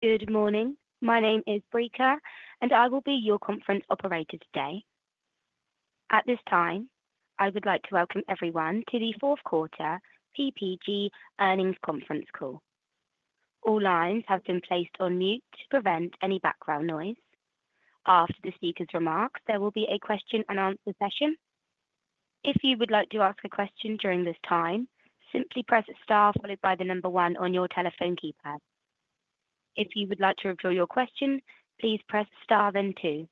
Good morning. My name is Breca, and I will be your conference operator today. At this time, I would like to welcome everyone to the fourth quarter PPG earnings conference call. All lines have been placed on mute to prevent any background noise. After the speaker's remarks, there will be a question-and-answer session. If you would like to ask a question during this time, simply press star followed by the number one on your telephone keypad. If you would like to withdraw your question, please press star then two.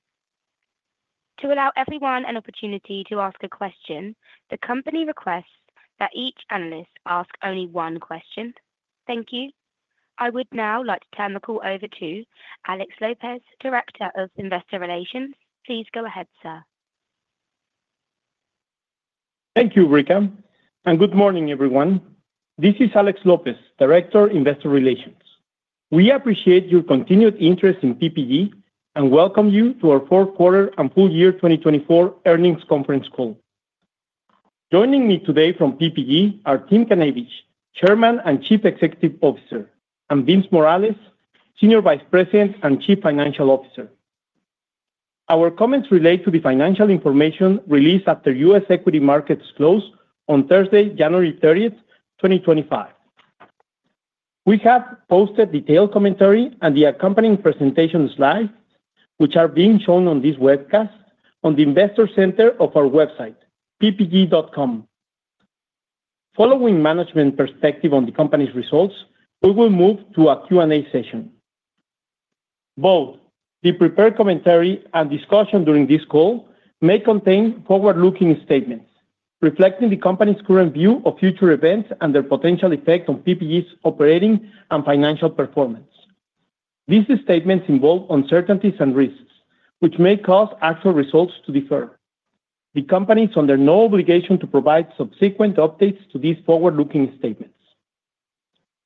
To allow everyone an opportunity to ask a question, the company requests that each analyst ask only one question. Thank you. I would now like to turn the call over to Alex Lopez, Director of Investor Relations. Please go ahead, sir. Thank you, Breca, and good morning, everyone. This is Alex Lopez, Director of Investor Relations. We appreciate your continued interest in PPG and welcome you to our fourth quarter and full year 2024 earnings conference call. Joining me today from PPG are Tim Knavish, Chairman and Chief Executive Officer, and Vince Morales, Senior Vice President and Chief Financial Officer. Our comments relate to the financial information released after U.S. equity markets close on Thursday, January 30th, 2025. We have posted detailed commentary and the accompanying presentation slides, which are being shown on this webcast, on the investor center of our website, ppg.com. Following management perspective on the company's results, we will move to a Q&A session. Both the prepared commentary and discussion during this call may contain forward-looking statements reflecting the company's current view of future events and their potential effect on PPG's operating and financial performance. These statements involve uncertainties and risks, which may cause actual results to differ. The company is under no obligation to provide subsequent updates to these forward-looking statements.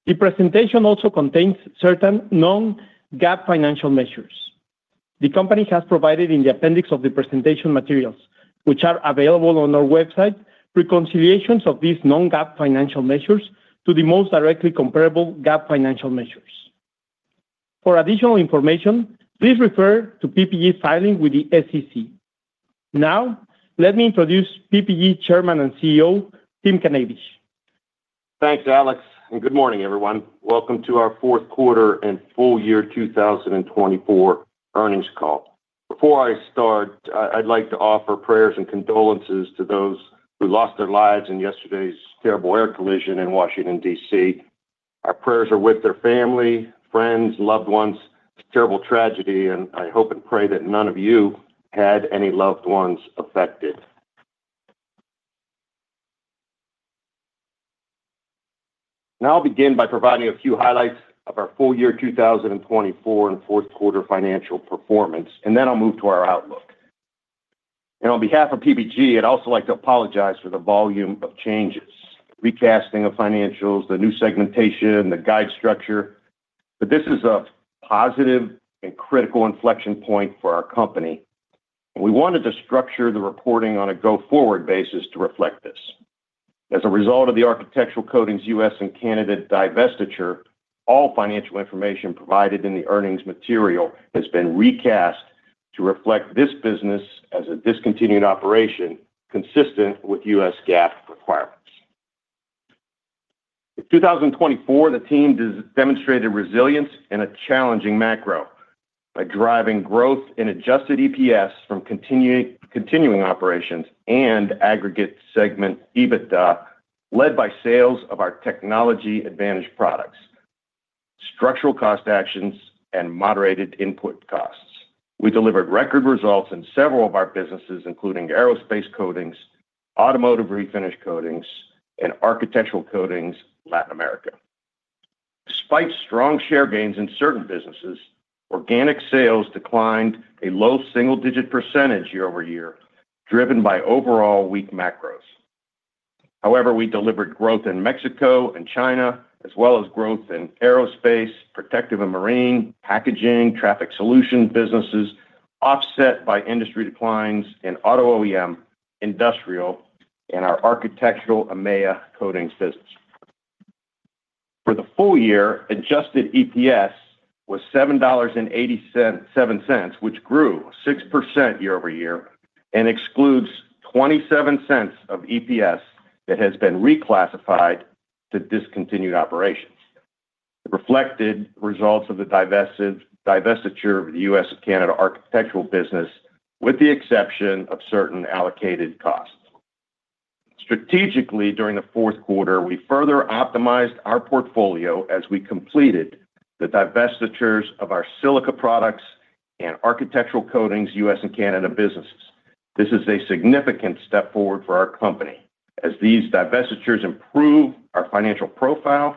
The presentation also contains certain non-GAAP financial measures. The company has provided in the appendix of the presentation materials, which are available on our website, reconciliations of these non-GAAP financial measures to the most directly comparable GAAP financial measures. For additional information, please refer to PPG's filing with the SEC. Now, let me introduce PPG Chairman and CEO, Tim Knavish. Thanks, Alex, and good morning, everyone. Welcome to our fourth quarter and full year 2024 earnings call. Before I start, I'd like to offer prayers and condolences to those who lost their lives in yesterday's terrible air collision in Washington, D.C. Our prayers are with their family, friends, loved ones. It's a terrible tragedy, and I hope and pray that none of you had any loved ones affected. Now, I'll begin by providing a few highlights of our full year 2024 and fourth quarter financial performance, and then I'll move to our outlook. And on behalf of PPG, I'd also like to apologize for the volume of changes, recasting of financials, the new segmentation, the guide structure. But this is a positive and critical inflection point for our company. We wanted to structure the reporting on a go-forward basis to reflect this. As a result of the Architectural Coatings' U.S. and Canada divestiture, all financial information provided in the earnings material has been recast to reflect this business as a discontinued operation consistent with U.S. GAAP requirements. In 2024, the team demonstrated resilience in a challenging macro by driving growth in adjusted EPS from continuing operations and aggregate segment EBITDA led by sales of our technology advantage products, structural cost actions, and moderated input costs. We delivered record results in several of our businesses, including Aerospace Coatings, Automotive Refinish Coatings, and Architectural Coatings in Latin America. Despite strong share gains in certain businesses, organic sales declined a low single-digit percentage year-over-year, driven by overall weak macros. However, we delivered growth in Mexico and China, as well as growth in aerospace, protective and marine, packaging, traffic solutions businesses, offset by industry declines in Auto OEM Industrial, and our Architectural EMEA Coatings business. For the full year, adjusted EPS was $7.87, which grew 6% year-over-year and excludes $0.27 of EPS that has been reclassified to discontinued operations. It reflected the results of the divestiture of the U.S. and Canada Architectural Business, with the exception of certain allocated costs. Strategically, during the fourth quarter, we further optimized our portfolio as we completed the divestitures of our silica products and Architectural Coatings U.S. and Canada businesses. This is a significant step forward for our company, as these divestitures improve our financial profile,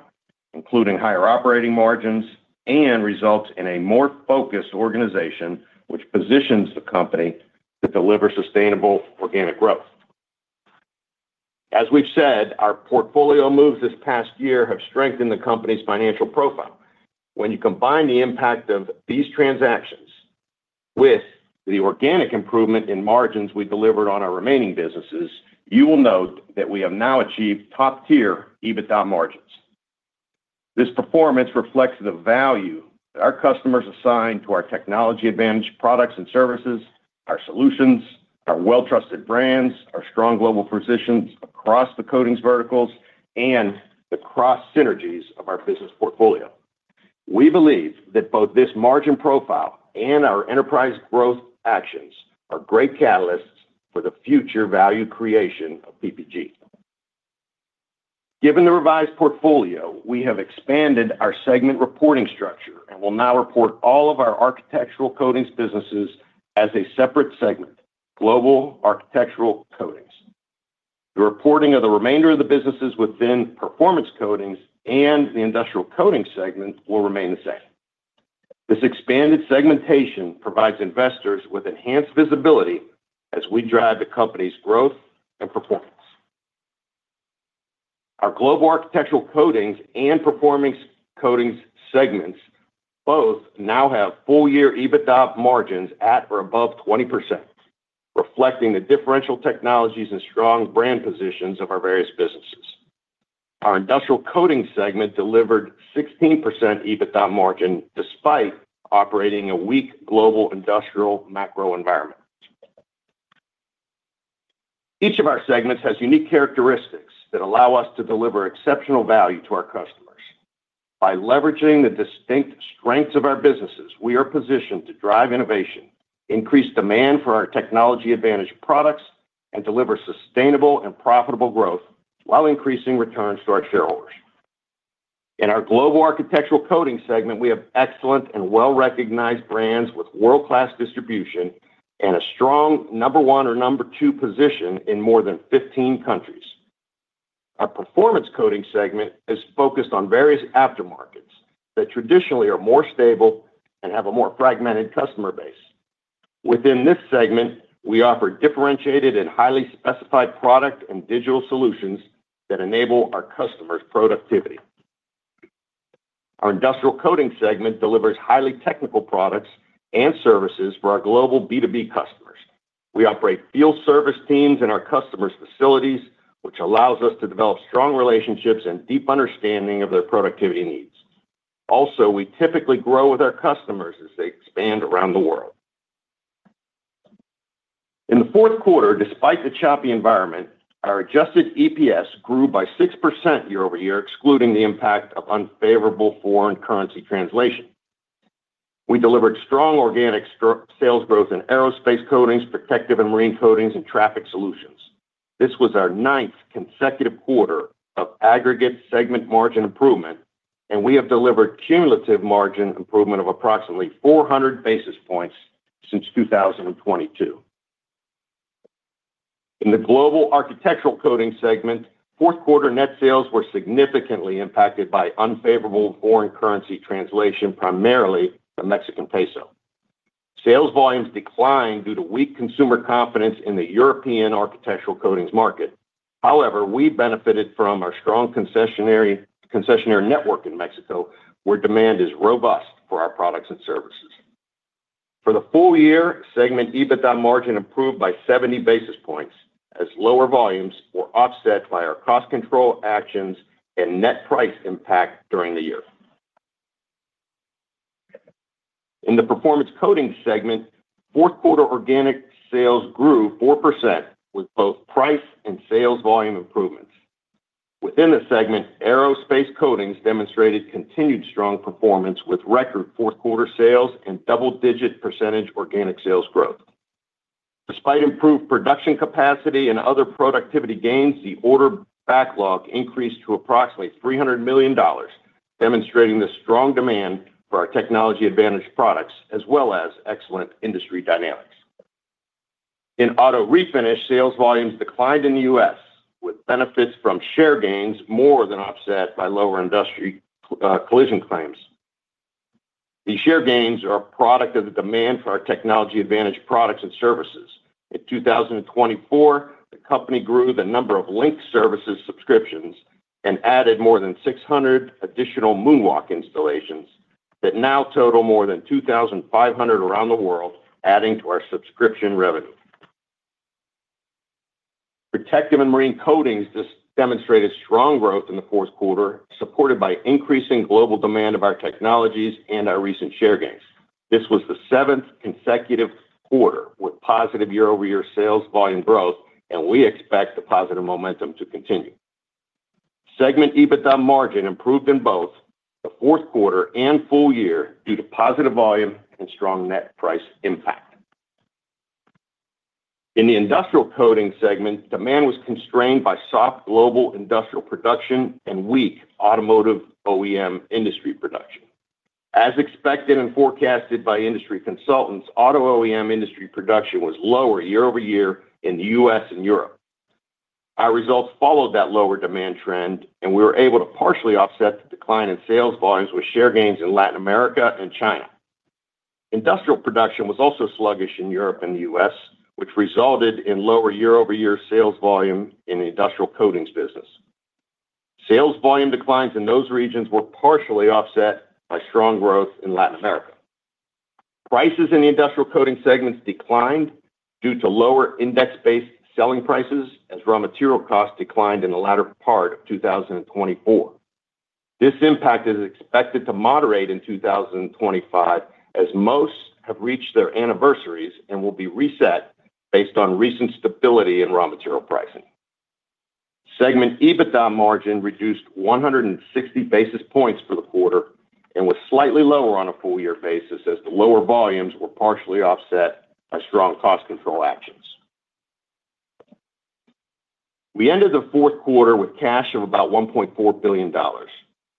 including higher operating margins, and result in a more focused organization, which positions the company to deliver sustainable organic growth. As we've said, our portfolio moves this past year have strengthened the company's financial profile. When you combine the impact of these transactions with the organic improvement in margins we delivered on our remaining businesses, you will note that we have now achieved top-tier EBITDA margins. This performance reflects the value that our customers assign to our technology advantage products and services, our solutions, our well-trusted brands, our strong global positions across the Coatings verticals, and the cross synergies of our business portfolio. We believe that both this margin profile and our enterprise growth actions are great catalysts for the future value creation of PPG. Given the revised portfolio, we have expanded our segment reporting structure and will now report all of our Architectural Coatings businesses as a separate segment, Global Architectural Coatings. The reporting of the remainder of the businesses within Performance Coatings and the Industrial Coatings segment will remain the same. This expanded segmentation provides investors with enhanced visibility as we drive the company's growth and performance. Our Global Architectural Coatings and Performance Coatings segments both now have full-year EBITDA margins at or above 20%, reflecting the differential technologies and strong brand positions of our various businesses. Our Industrial Coatings segment delivered 16% EBITDA margin despite operating a weak global industrial macro environment. Each of our segments has unique characteristics that allow us to deliver exceptional value to our customers. By leveraging the distinct strengths of our businesses, we are positioned to drive innovation, increase demand for our technology advantage products, and deliver sustainable and profitable growth while increasing returns to our shareholders. In our Global Architectural Coatings segment, we have excellent and well-recognized brands with world-class distribution and a strong number one or number two position in more than 15 countries. Our Performance Coatings segment is focused on various aftermarkets that traditionally are more stable and have a more fragmented customer base. Within this segment, we offer differentiated and highly specified product and digital solutions that enable our customers' productivity. Our Industrial Coatings segment delivers highly technical products and services for our global B2B customers. We operate field service teams in our customers' facilities, which allows us to develop strong relationships and deep understanding of their productivity needs. Also, we typically grow with our customers as they expand around the world. In the fourth quarter, despite the choppy environment, our Adjusted EPS grew by 6% year-over-year, excluding the impact of unfavorable foreign currency translation. We delivered strong organic sales growth in Aerospace Coatings, Protective and Marine Coatings, and traffic solutions. This was our ninth consecutive quarter of aggregate segment margin improvement, and we have delivered cumulative margin improvement of approximately 400 basis points since 2022. In the Global Architectural Coatings segment, fourth quarter net sales were significantly impacted by unfavorable foreign currency translation, primarily the Mexican peso. Sales volumes declined due to weak consumer confidence in the European Architectural Coatings market. However, we benefited from our strong concessionaire network in Mexico, where demand is robust for our products and services. For the full year, segment EBITDA margin improved by 70 basis points as lower volumes were offset by our cost control actions and net price impact during the year. In the Performance Coatings segment, fourth quarter organic sales grew 4% with both price and sales volume improvements. Within the segment, Aerospace Coatings demonstrated continued strong performance with record fourth quarter sales and double-digit percentage organic sales growth. Despite improved production capacity and other productivity gains, the order backlog increased to approximately $300 million, demonstrating the strong demand for our technology advantage products, as well as excellent industry dynamics. In Auto Refinish, sales volumes declined in the U.S., with benefits from share gains more than offset by lower industry collision claims. These share gains are a product of the demand for our technology advantage products and services. In 2024, the company grew the number of LINQ services subscriptions and added more than 600 additional MoonWalk installations that now total more than 2,500 around the world, adding to our subscription revenue. Protective and Marine Coatings demonstrated strong growth in the fourth quarter, supported by increasing global demand of our technologies and our recent share gains. This was the seventh consecutive quarter with positive year-over-year sales volume growth, and we expect the positive momentum to continue. Segment EBITDA margin improved in both the fourth quarter and full year due to positive volume and strong net price impact. In the Industrial Coatings segment, demand was constrained by soft global industrial production and weak automotive OEM industry production. As expected and forecasted by industry consultants, auto OEM industry production was lower year-over-year in the U.S. and Europe. Our results followed that lower demand trend, and we were able to partially offset the decline in sales volumes with share gains in Latin America and China. Industrial production was also sluggish in Europe and the U.S., which resulted in lower year-over-year sales volume in the Industrial Coatings business. Sales volume declines in those regions were partially offset by strong growth in Latin America. Prices in the Industrial Coatings segment declined due to lower index-based selling prices as raw material costs declined in the latter part of 2024. This impact is expected to moderate in 2025 as most have reached their anniversaries and will be reset based on recent stability in raw material pricing. Segment EBITDA margin reduced 160 basis points for the quarter and was slightly lower on a full-year basis as the lower volumes were partially offset by strong cost control actions. We ended the fourth quarter with cash of about $1.4 billion.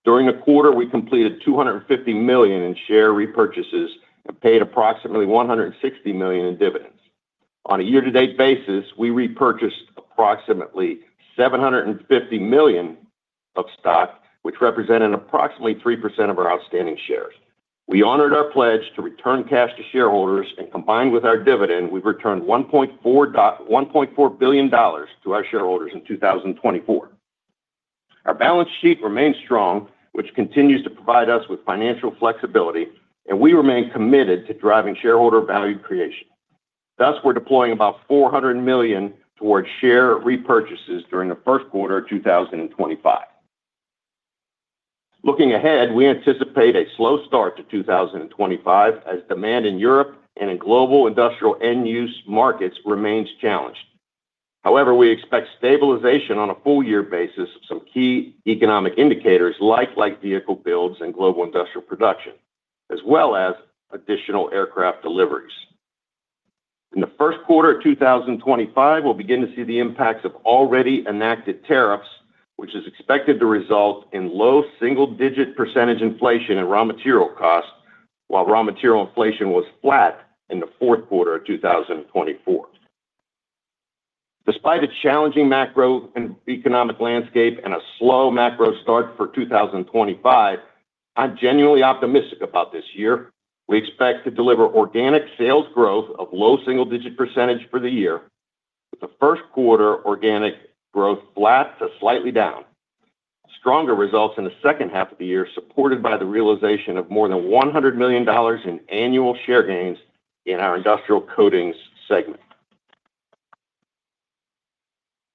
During the quarter, we completed $250 million in share repurchases and paid approximately $160 million in dividends. On a year-to-date basis, we repurchased approximately $750 million of stock, which represented approximately 3% of our outstanding shares. We honored our pledge to return cash to shareholders, and combined with our dividend, we've returned $1.4 billion to our shareholders in 2024. Our balance sheet remains strong, which continues to provide us with financial flexibility, and we remain committed to driving shareholder value creation. Thus, we're deploying about $400 million towards share repurchases during the first quarter of 2025. Looking ahead, we anticipate a slow start to 2025 as demand in Europe and in global industrial end-use markets remains challenged. However, we expect stabilization on a full-year basis of some key economic indicators like vehicle builds and global industrial production, as well as additional aircraft deliveries. In the first quarter of 2025, we'll begin to see the impacts of already enacted tariffs, which is expected to result in low single-digit percentage inflation in raw material costs, while raw material inflation was flat in the fourth quarter of 2024. Despite a challenging macro and economic landscape and a slow macro start for 2025, I'm genuinely optimistic about this year. We expect to deliver organic sales growth of low single-digit percentage for the year, with the first quarter organic growth flat to slightly down. Stronger results in the second half of the year supported by the realization of more than $100 million in annual share gains in our Industrial Coatings segment.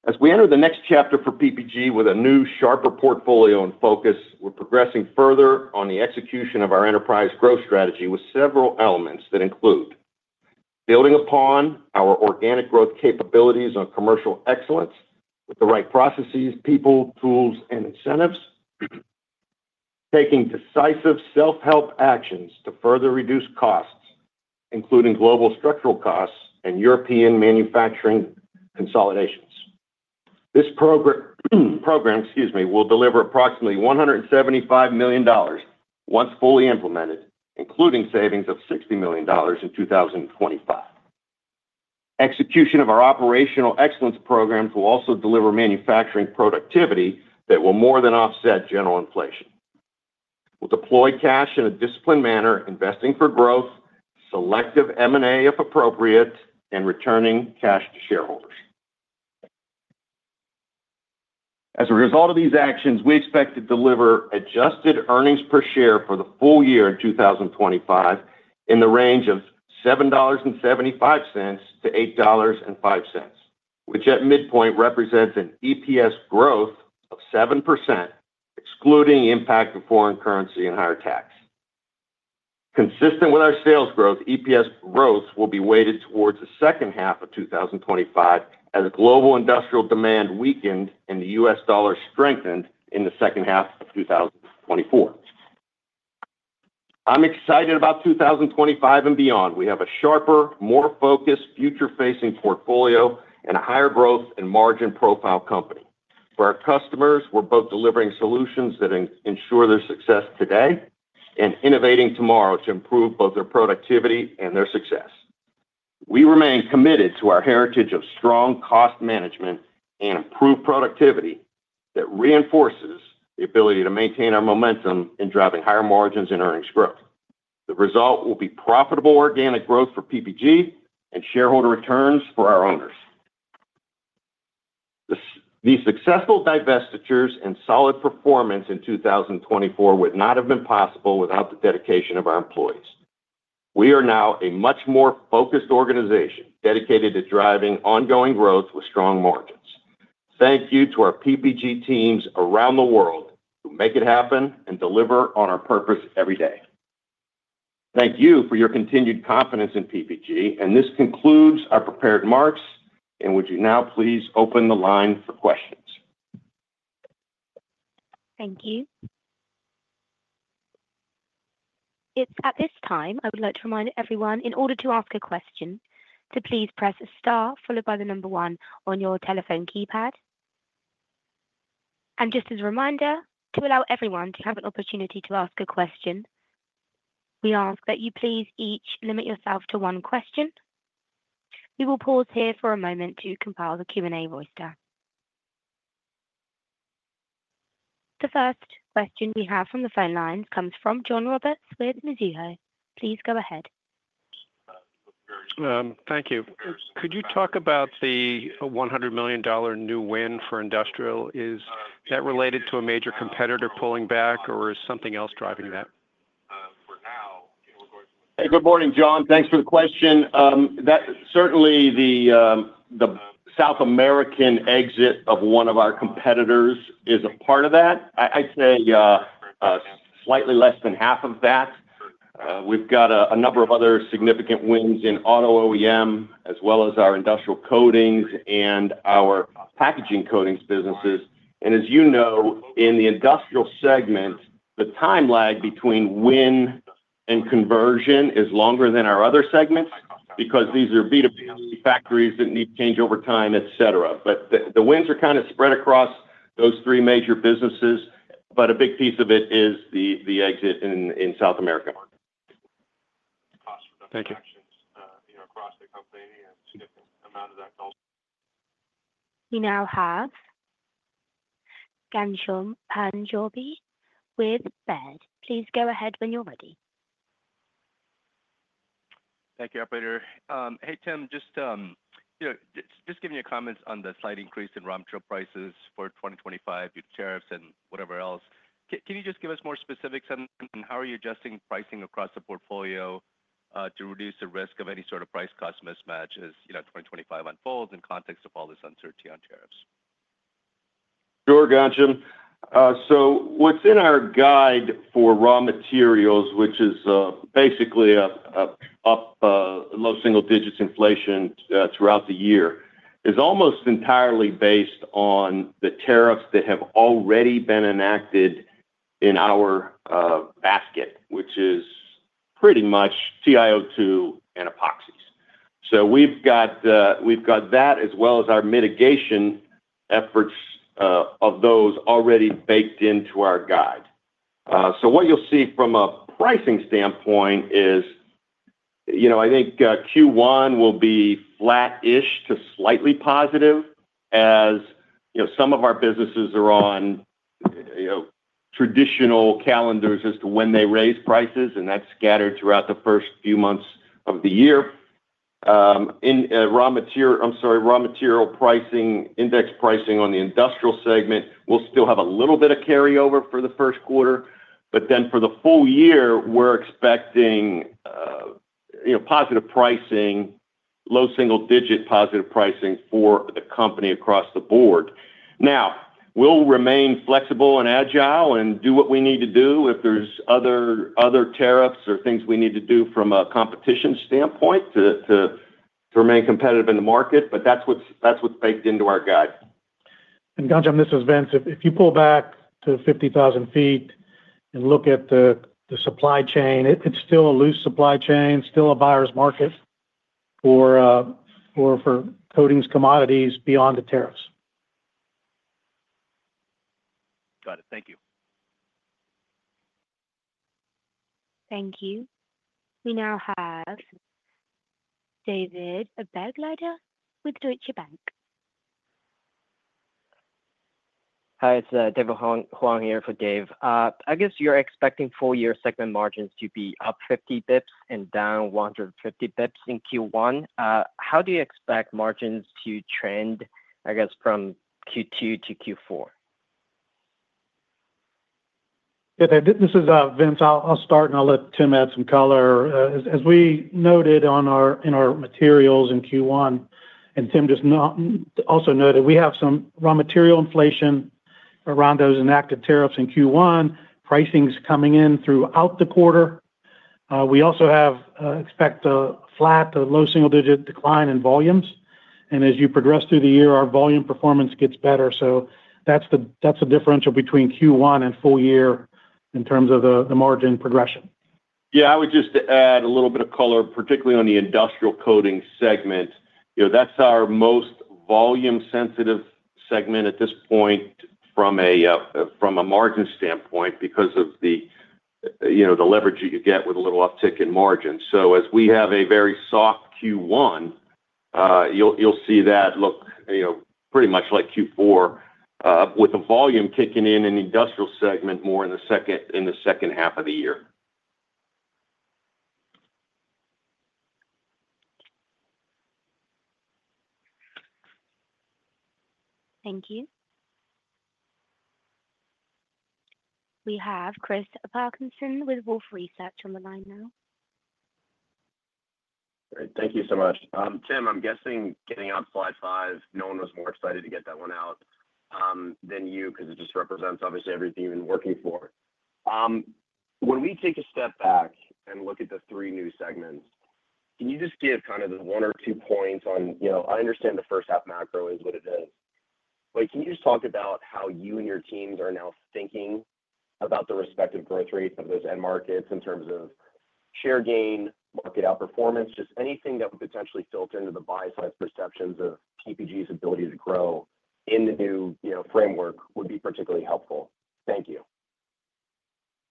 As we enter the next chapter for PPG with a new, sharper portfolio in focus, we're progressing further on the execution of our enterprise growth strategy with several elements that include building upon our organic growth capabilities on commercial excellence with the right processes, people, tools, and incentives, taking decisive self-help actions to further reduce costs, including global structural costs and European manufacturing consolidations. This program, excuse me, will deliver approximately $175 million once fully implemented, including savings of $60 million in 2025. Execution of our operational excellence programs will also deliver manufacturing productivity that will more than offset general inflation. We'll deploy cash in a disciplined manner, investing for growth, selective M&A if appropriate, and returning cash to shareholders. As a result of these actions, we expect to deliver adjusted earnings per share for the full year in 2025 in the range of $7.75-$8.05, which at midpoint represents an EPS growth of 7%, excluding impact of foreign currency and higher tax. Consistent with our sales growth, EPS growth will be weighted towards the second half of 2025 as global industrial demand weakened and the U.S. dollar strengthened in the second half of 2024. I'm excited about 2025 and beyond. We have a sharper, more focused, future-facing portfolio and a higher growth and margin profile company. For our customers, we're both delivering solutions that ensure their success today and innovating tomorrow to improve both their productivity and their success. We remain committed to our heritage of strong cost management and improved productivity that reinforces the ability to maintain our momentum in driving higher margins and earnings growth. The result will be profitable organic growth for PPG and shareholder returns for our owners. These successful divestitures and solid performance in 2024 would not have been possible without the dedication of our employees. We are now a much more focused organization dedicated to driving ongoing growth with strong margins. Thank you to our PPG teams around the world who make it happen and deliver on our purpose every day. Thank you for your continued confidence in PPG, and this concludes our prepared remarks, and would you now please open the line for questions? Thank you. At this time, I would like to remind everyone, in order to ask a question, to please press star followed by the number one on your telephone keypad. Just as a reminder, to allow everyone to have an opportunity to ask a question, we ask that you please each limit yourself to one question. We will pause here for a moment to compile the Q&A roster. The first question we have from the phone lines comes from John Roberts with Mizuho. Please go ahead. Thank you. Could you talk about the $100 million new win for industrial? Is that related to a major competitor pulling back, or is something else driving that? Hey, good morning, John. Thanks for the question. Certainly, the South American exit of one of our competitors is a part of that. I'd say slightly less than half of that. We've got a number of other significant wins in auto OEM, as well as our Industrial Coatings and our Packaging Coatings businesses. And as you know, in the industrial segment, the time lag between win and conversion is longer than our other segments because these are B2B factories that need to change over time, etc. But the wins are kind of spread across those three major businesses, but a big piece of it is the exit in South America. Thank you. We now have Ghansham Panjabi with Baird. Please go ahead when you're ready. Thank you, operator. Hey, Tim, just giving you comments on the slight increase in raw material prices for 2025 due to tariffs and whatever else. Can you just give us more specifics on how are you adjusting pricing across the portfolio to reduce the risk of any sort of price cost mismatch as 2025 unfolds in context of all this uncertainty on tariffs? Sure, Ghansham. So what's in our guide for raw materials, which is basically up low single digits inflation throughout the year, is almost entirely based on the tariffs that have already been enacted in our basket, which is pretty much TiO2 and epoxies. So we've got that as well as our mitigation efforts of those already baked into our guide. So what you'll see from a pricing standpoint is I think Q1 will be flat-ish to slightly positive as some of our businesses are on traditional calendars as to when they raise prices, and that's scattered throughout the first few months of the year. I'm sorry, raw material pricing, index pricing on the industrial segment will still have a little bit of carryover for the first quarter, but then for the full year, we're expecting positive pricing, low single digit positive pricing for the company across the board. Now, we'll remain flexible and agile and do what we need to do if there's other tariffs or things we need to do from a competition standpoint to remain competitive in the market, but that's what's baked into our guide. And Ghansham, this is Vince. If you pull back to 50,000 feet and look at the supply chain, it's still a loose supply chain, still a buyer's market for coatings, commodities beyond the tariffs. Got it. Thank you. Thank you. We now have David Begleiter with Deutsche Bank. Hi, it's David Huang here for Dave. I guess you're expecting full-year segment margins to be up 50 basis points and down 150 basis points in Q1. How do you expect margins to trend, I guess, from Q2 to Q4? This is Vince. I'll start and I'll let Tim add some color. As we noted in our materials in Q1, and Tim just also noted, we have some raw material inflation around those enacted tariffs in Q1. Pricing is coming in throughout the quarter. We also expect a flat to low single digit decline in volumes. And as you progress through the year, our volume performance gets better. So that's the differential between Q1 and full year in terms of the margin progression. Yeah, I would just add a little bit of color, particularly on the Industrial Coatings segment. That's our most volume-sensitive segment at this point from a margin standpoint because of the leverage that you get with a little uptick in margins. So as we have a very soft Q1, you'll see that look pretty much like Q4 with the volume kicking in in the Industrial Coatings segment more in the second half of the year. Thank you. We have Chris Parkinson with Wolfe Research on the line now. Great. Thank you so much. Tim, I'm guessing getting out slide five, no one was more excited to get that one out than you because it just represents obviously everything you've been working for. When we take a step back and look at the three new segments, can you just give kind of the one or two points on? I understand the first half macro is what it is. Can you just talk about how you and your teams are now thinking about the respective growth rates of those end markets in terms of share gain, market outperformance, just anything that would potentially filter into the buy-side perceptions of PPG's ability to grow in the new framework would be particularly helpful? Thank you.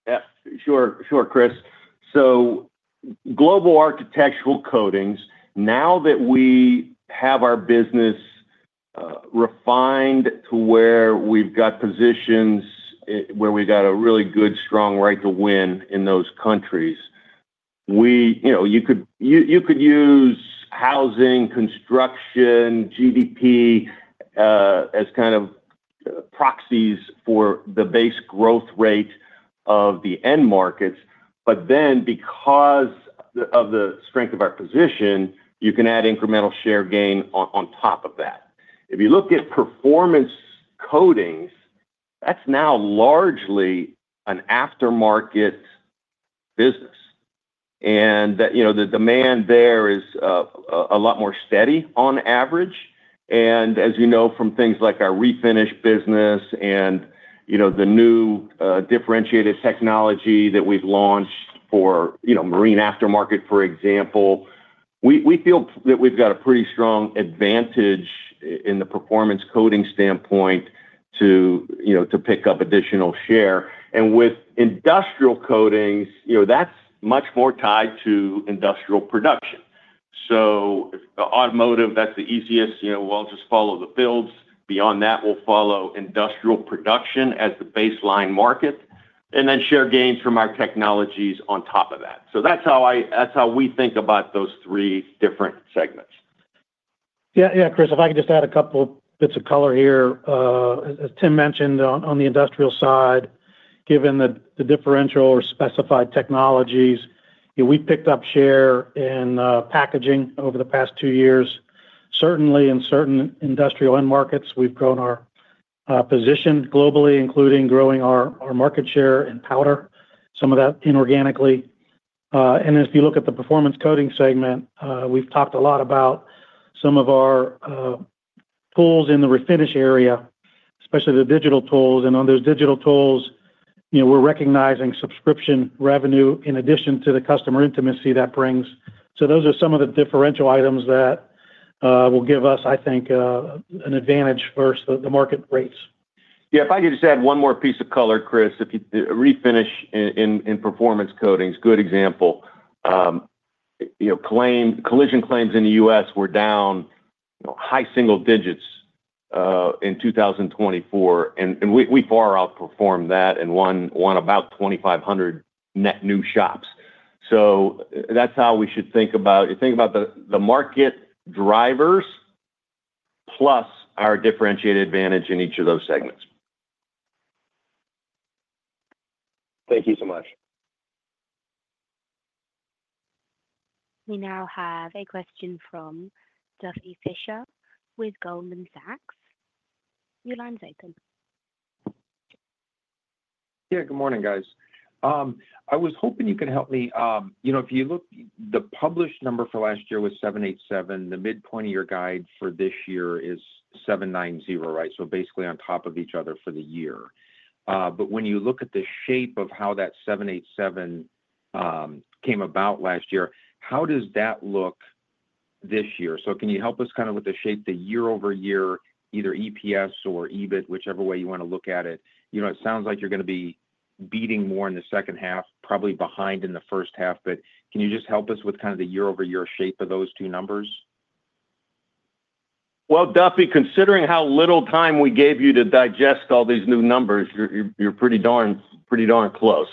Yeah, sure. Sure, Chris. So Global Architectural Coatings, now that we have our business refined to where we've got positions, where we've got a really good, strong right to win in those countries, you could use housing, construction, GDP as kind of proxies for the base growth rate of the end markets. But then because of the strength of our position, you can add incremental share gain on top of that. If you look at Performance Coatings, that's now largely an aftermarket business. And the demand there is a lot more steady on average. And as you know from things like our Refinish business and the new differentiated technology that we've launched for marine aftermarket, for example, we feel that we've got a pretty strong advantage in the Performance Coating standpoint to pick up additional share. And with Industrial Coatings, that's much more tied to industrial production. So automotive, that's the easiest. We'll just follow the builds. Beyond that, we'll follow industrial production as the baseline market and then share gains from our technologies on top of that. So that's how we think about those three different segments. Yeah, yeah, Chris, if I could just add a couple bits of color here. As Tim mentioned, on the industrial side, given the differential or specified technologies, we've picked up share in packaging over the past two years. Certainly, in certain industrial end markets, we've grown our position globally, including growing our market share in powder, some of that inorganically. And then if you look at the Performance Coatings segment, we've talked a lot about some of our tools in the Refinish area, especially the digital tools. And on those digital tools, we're recognizing subscription revenue in addition to the customer intimacy that brings. So those are some of the differential items that will give us, I think, an advantage versus the market rates. Yeah, if I could just add one more piece of color, Chris, Refinish in Performance Coatings, good example. Collision claims in the U.S. were down high single digits in 2024, and we far outperformed that and won about 2,500 net new shops. So that's how we should think about it. Think about the market drivers plus our differentiated advantage in each of those segments. Thank you so much. We now have a question from Duffy Fischer with Goldman Sachs. Your line's open. Yeah, good morning, guys. I was hoping you could help me. If you look, the published number for last year was 787. The midpoint of your guide for this year is 790, right? So basically on top of each other for the year. But when you look at the shape of how that 787 came about last year, how does that look this year? So can you help us kind of with the shape the year-over-year, either EPS or EBIT, whichever way you want to look at it? It sounds like you're going to be beating more in the second half, probably behind in the first half, but can you just help us with kind of the year-over-year shape of those two numbers? Well, Duffy, considering how little time we gave you to digest all these new numbers, you're pretty darn close.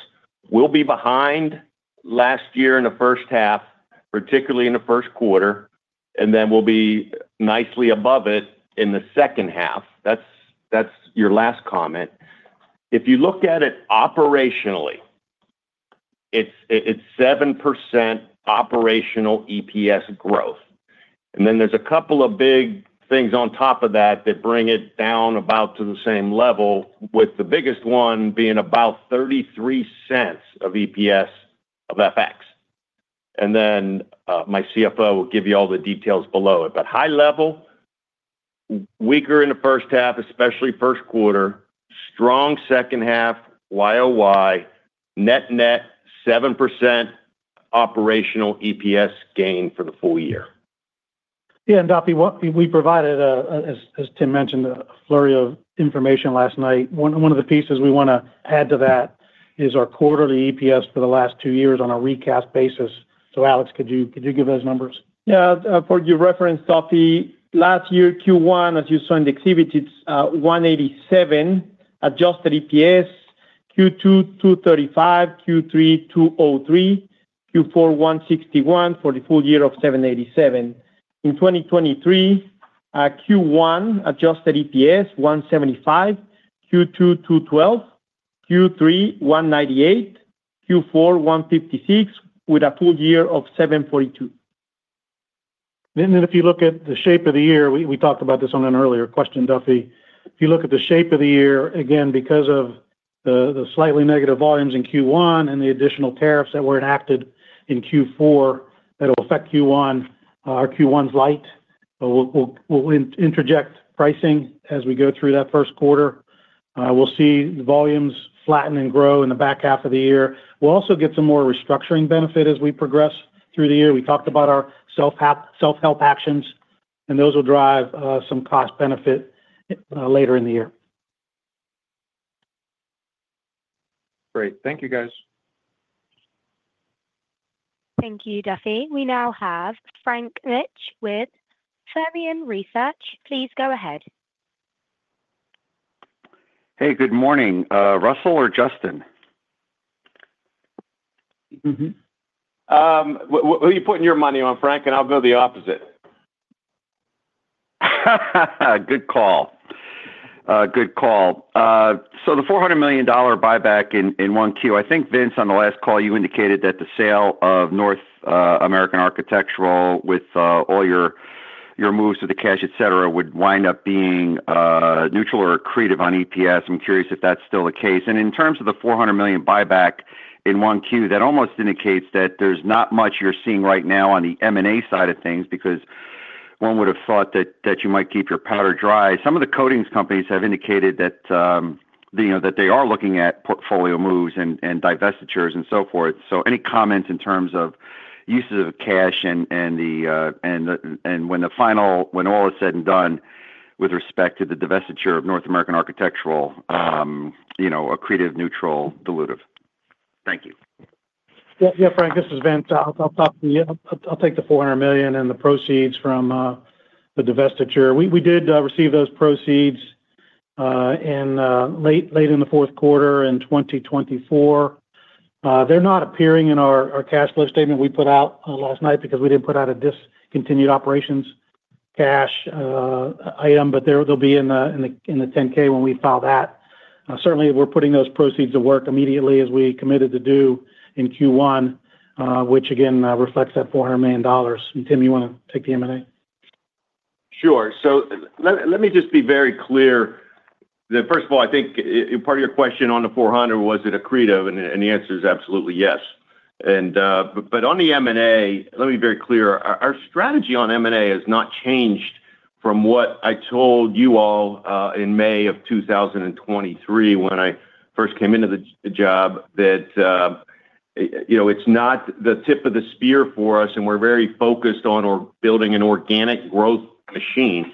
We'll be behind last year in the first half, particularly in the first quarter, and then we'll be nicely above it in the second half. That's your last comment. If you look at it operationally, it's 7% operational EPS growth. Then there's a couple of big things on top of that that bring it down about to the same level, with the biggest one being about $0.33 of EPS of FX. Then my CFO will give you all the details below it. But high level, weaker in the first half, especially first quarter, strong second half, YoY, net net, 7% operational EPS gain for the full year. Yeah, and Duffy, we provided, as Tim mentioned, a flurry of information last night. One of the pieces we want to add to that is our quarterly EPS for the last two years on a recast basis. So Alex, could you give those numbers? Yeah, you referenced, Duffy, last year, Q1, as you saw in the exhibit, it's $1.87 adjusted EPS, Q2, $2.35, Q3, $2.03, Q4, $1.61 for the full year of $7.87. In 2023, Q1 adjusted EPS $1.75, Q2 $2.12, Q3 $1.98, Q4 $1.56, with a full year of $7.42. Then if you look at the shape of the year, we talked about this on an earlier question, Duffy. If you look at the shape of the year, again, because of the slightly negative volumes in Q1 and the additional tariffs that were enacted in Q4 that will affect Q1, our Q1 is light. We'll interject pricing as we go through that first quarter. We'll see volumes flatten and grow in the back half of the year. We'll also get some more restructuring benefit as we progress through the year. We talked about our self-help actions, and those will drive some cost benefit later in the year. Great. Thank you, guys. Thank you, Duffy. We now have Frank Mitsch with Fermium Research. Please go ahead. Hey, good morning. Russell or Justin? Who are you putting your money on, Frank? And I'll go the opposite. Good call. Good call. So the $400 million buyback in 1Q, I think, Vince, on the last call, you indicated that the sale of North American Architectural with all your moves to the cash, etc., would wind up being neutral or accretive on EPS. I'm curious if that's still the case. And in terms of the $400 million buyback in 1Q, that almost indicates that there's not much you're seeing right now on the M&A side of things because one would have thought that you might keep your powder dry. Some of the coatings companies have indicated that they are looking at portfolio moves and divestitures and so forth. So any comments in terms of uses of cash and when all is said and done with respect to the divestiture of North American Architectural, accretive, neutral, dilutive? Thank you. Yeah, Frank, this is Vince. I'll talk to you. I'll take the $400 million and the proceeds from the divestiture. We did receive those proceeds late in the fourth quarter in 2024. They're not appearing in our cash flow statement we put out last night because we didn't put out a discontinued operations cash item, but they'll be in the 10K when we file that. Certainly, we're putting those proceeds to work immediately as we committed to do in Q1, which, again, reflects that $400 million. Tim, you want to take the M&A? Sure. So let me just be very clear. First of all, I think part of your question on the $400, was it accretive? And the answer is absolutely yes. But on the M&A, let me be very clear. Our strategy on M&A has not changed from what I told you all in May of 2023 when I first came into the job, that it's not the tip of the spear for us, and we're very focused on building an organic growth machine,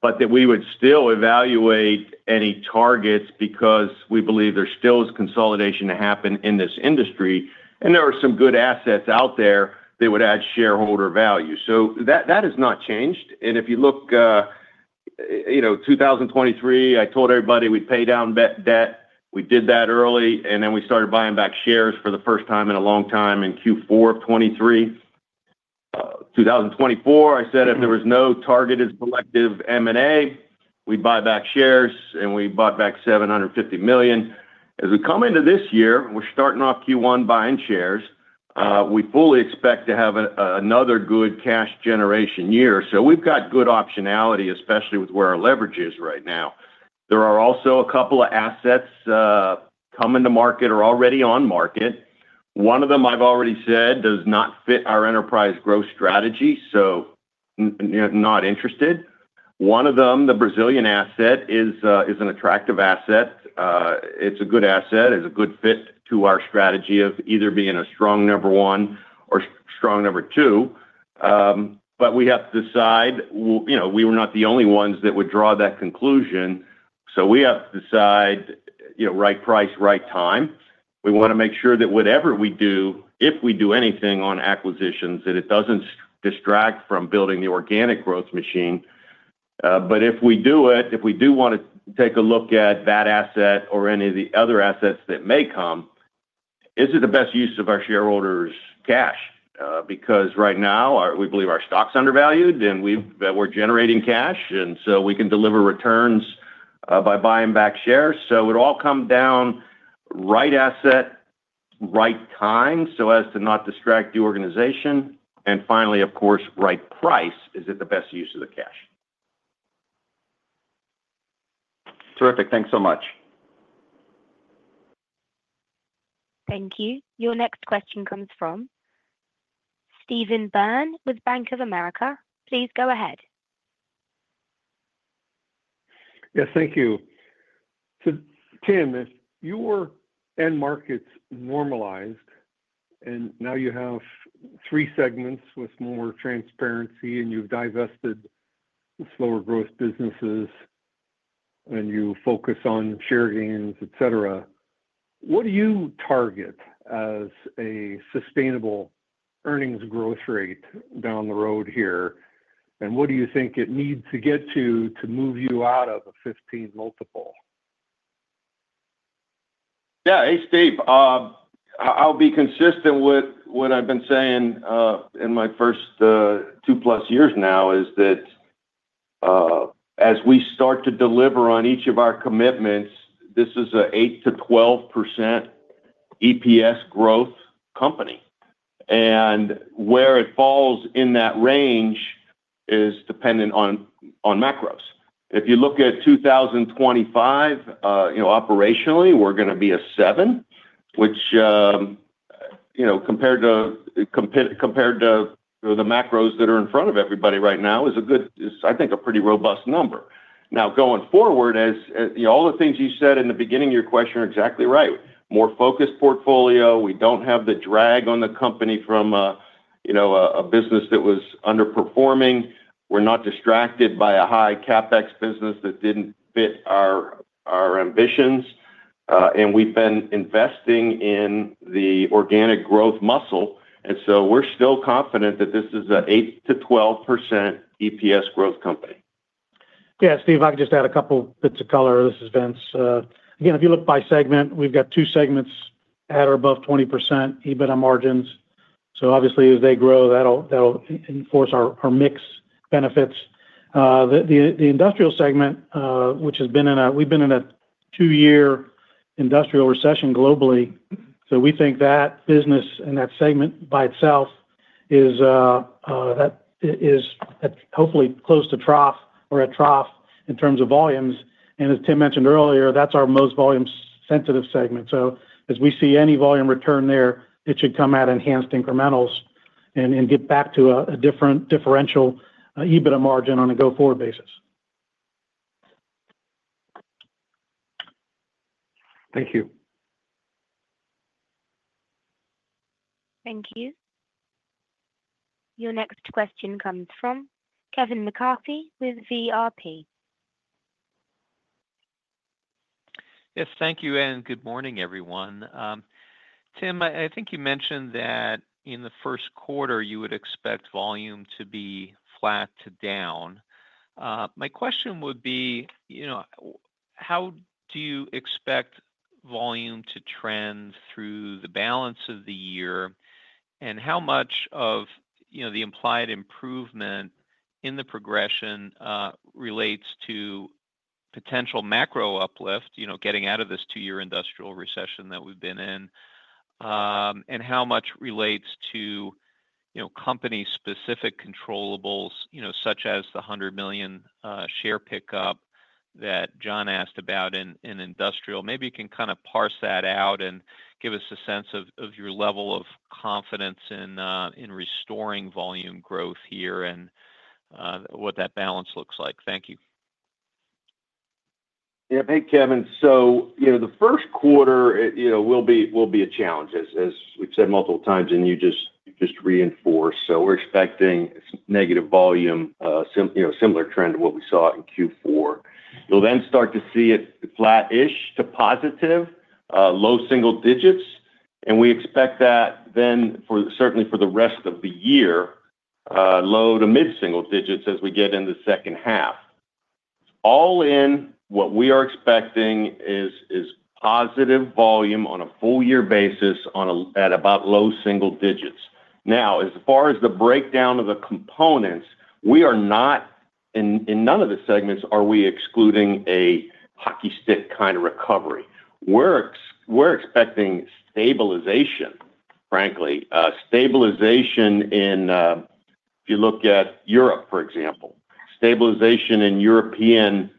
but that we would still evaluate any targets because we believe there still is consolidation to happen in this industry, and there are some good assets out there that would add shareholder value. So that has not changed. And if you look, 2023, I told everybody we'd pay down debt. We did that early, and then we started buying back shares for the first time in a long time in Q4 of 2023. 2024, I said if there was no targeted collective M&A, we'd buy back shares, and we bought back $750 million. As we come into this year, we're starting off Q1 buying shares. We fully expect to have another good cash generation year. So we've got good optionality, especially with where our leverage is right now. There are also a couple of assets coming to market or already on market. One of them, I've already said, does not fit our enterprise growth strategy, so not interested. One of them, the Brazilian asset, is an attractive asset. It's a good asset. It's a good fit to our strategy of either being a strong number one or strong number two. But we have to decide. We were not the only ones that would draw that conclusion. So we have to decide right price, right time. We want to make sure that whatever we do, if we do anything on acquisitions, that it doesn't distract from building the organic growth machine. But if we do it, if we do want to take a look at that asset or any of the other assets that may come, is it the best use of our shareholders' cash? Because right now, we believe our stock's undervalued, and we're generating cash, and so we can deliver returns by buying back shares. So it'll all come down to the right asset, right time, so as to not distract the organization. And finally, of course, right price. Is it the best use of the cash? Terrific. Thanks so much. Thank you. Your next question comes from Stephen Byrne with Bank of America. Please go ahead. Yes, thank you. So, Tim, if your end markets normalized and now you have three segments with more transparency and you've divested slower growth businesses and you focus on share gains, etc., what do you target as a sustainable earnings growth rate down the road here? And what do you think it needs to get to to move you out of a 15 multiple? Yeah, hey, Steve. I'll be consistent with what I've been saying in my first two-plus years now is that as we start to deliver on each of our commitments, this is an 8%-12% EPS growth company. And where it falls in that range is dependent on macros. If you look at 2025, operationally, we're going to be a 7, which compared to the macros that are in front of everybody right now is a good, I think, a pretty robust number. Now, going forward, all the things you said in the beginning of your question are exactly right. More focused portfolio. We don't have the drag on the company from a business that was underperforming. We're not distracted by a high CapEx business that didn't fit our ambitions. And we've been investing in the organic growth muscle. And so we're still confident that this is an 8%-12% EPS growth company. Yeah, Steve, I can just add a couple bits of color. This is Vince. Again, if you look by segment, we've got two segments at or above 20% EBITDA margins. So obviously, as they grow, that'll enforce our mix benefits. The industrial segment, we've been in a two-year industrial recession globally. So we think that business and that segment by itself is hopefully close to trough or at trough in terms of volumes. As Tim mentioned earlier, that's our most volume-sensitive segment. So as we see any volume return there, it should come out of enhanced incrementals and get back to a differential EBITDA margin on a go-forward basis. Thank you. Thank you. Your next question comes from Kevin McCarthy with VRP. Yes, thank you. Good morning, everyone. Tim, I think you mentioned that in the first quarter, you would expect volume to be flat to down. My question would be, how do you expect volume to trend through the balance of the year? And how much of the implied improvement in the progression relates to potential macro uplift, getting out of this two-year industrial recession that we've been in? And how much relates to company-specific controllables, such as the $100 million share pickup that John asked about in industrial? Maybe you can kind of parse that out and give us a sense of your level of confidence in restoring volume growth here and what that balance looks like. Thank you. Yeah, thanks, Kevin. So the first quarter will be a challenge, as we've said multiple times, and you just reinforced. So we're expecting negative volume, similar trend to what we saw in Q4. You'll then start to see it flat-ish to positive, low single digits. And we expect that then, certainly for the rest of the year, low to mid-single digits as we get into the second half. All in, what we are expecting is positive volume on a full-year basis at about low single digits. Now, as far as the breakdown of the components, we are not in none of the segments, are we excluding a hockey stick kind of recovery. We're expecting stabilization, frankly. Stabilization in, if you look at Europe, for example, stabilization in European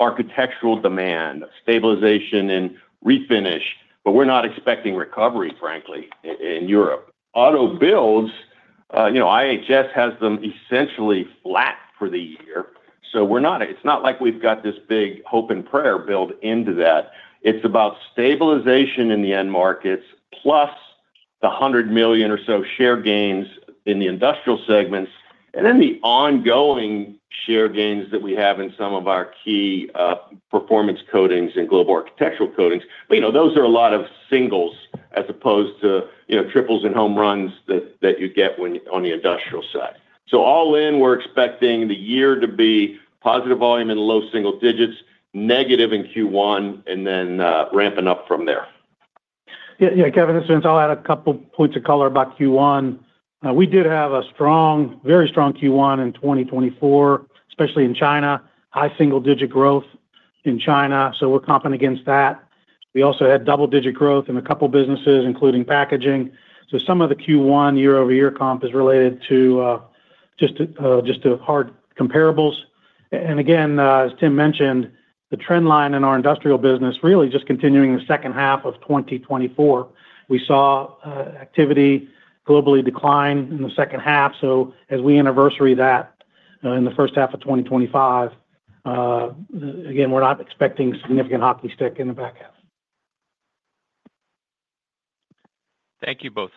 architectural demand, stabilization in Refinish, but we're not expecting recovery, frankly, in Europe. Auto builds, IHS has them essentially flat for the year. So it's not like we've got this big hope and prayer built into that. It's about stabilization in the end markets plus the $100 million or so share gains in the industrial segments, and then the ongoing share gains that we have in some of our key Performance Coatings and Global Architectural Coatings. But those are a lot of singles as opposed to triples and home runs that you get on the industrial side. So all in, we're expecting the year to be positive volume in low single digits, negative in Q1, and then ramping up from there. Yeah, Kevin, this is Vince. I'll add a couple points of color about Q1. We did have a very strong Q1 in 2024, especially in China, high single-digit growth in China. So we're comping against that. We also had double-digit growth in a couple businesses, including packaging. So some of the Q1 year-over-year comp is related to just the hard comparables. And again, as Tim mentioned, the trend line in our industrial business really just continuing the second half of 2024. We saw activity globally decline in the second half. So as we anniversary that in the first half of 2025, again, we're not expecting significant hockey stick in the back half. Thank you both.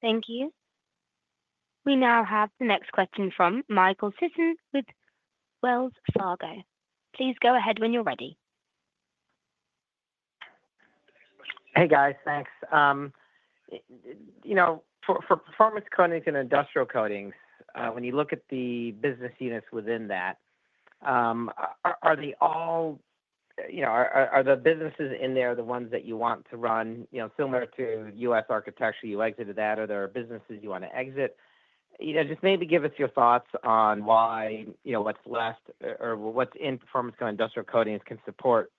Thank you. We now have the next question from Michael Sisson with Wells Fargo. Please go ahead when you're ready. Hey, guys. Thanks. For Performance Coatings and Industrial Coatings, when you look at the business units within that, are they all the businesses in there the ones that you want to run similar to U.S. Architecture? You exited that. Are there businesses you want to exit? Just maybe give us your thoughts on why what's left or what's in Performance and Industrial Coatings can support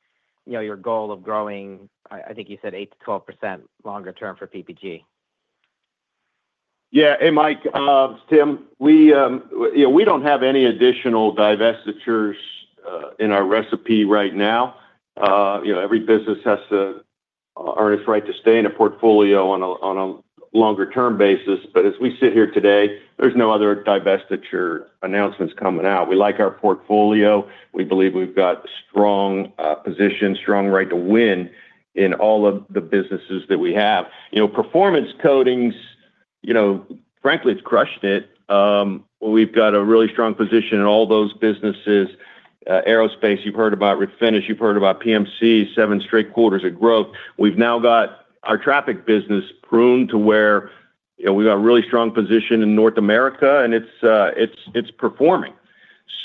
your goal of growing, I think you said, 8%-12% longer term for PPG. Yeah. Hey, Mike. We don't have any additional divestitures in our repertoire right now. Every business has to earn its right to stay in a portfolio on a longer-term basis. But as we sit here today, there's no other divestiture announcements coming out. We like our portfolio. We believe we've got a strong position, strong right to win in all of the businesses that we have. Performance Coatings, frankly, it's crushed it. We've got a really strong position in all those businesses. Aerospace, you've heard about. Refinish, you've heard about. PMC, seven straight quarters of growth. We've now got our traffic business pruned to where we've got a really strong position in North America, and it's performing.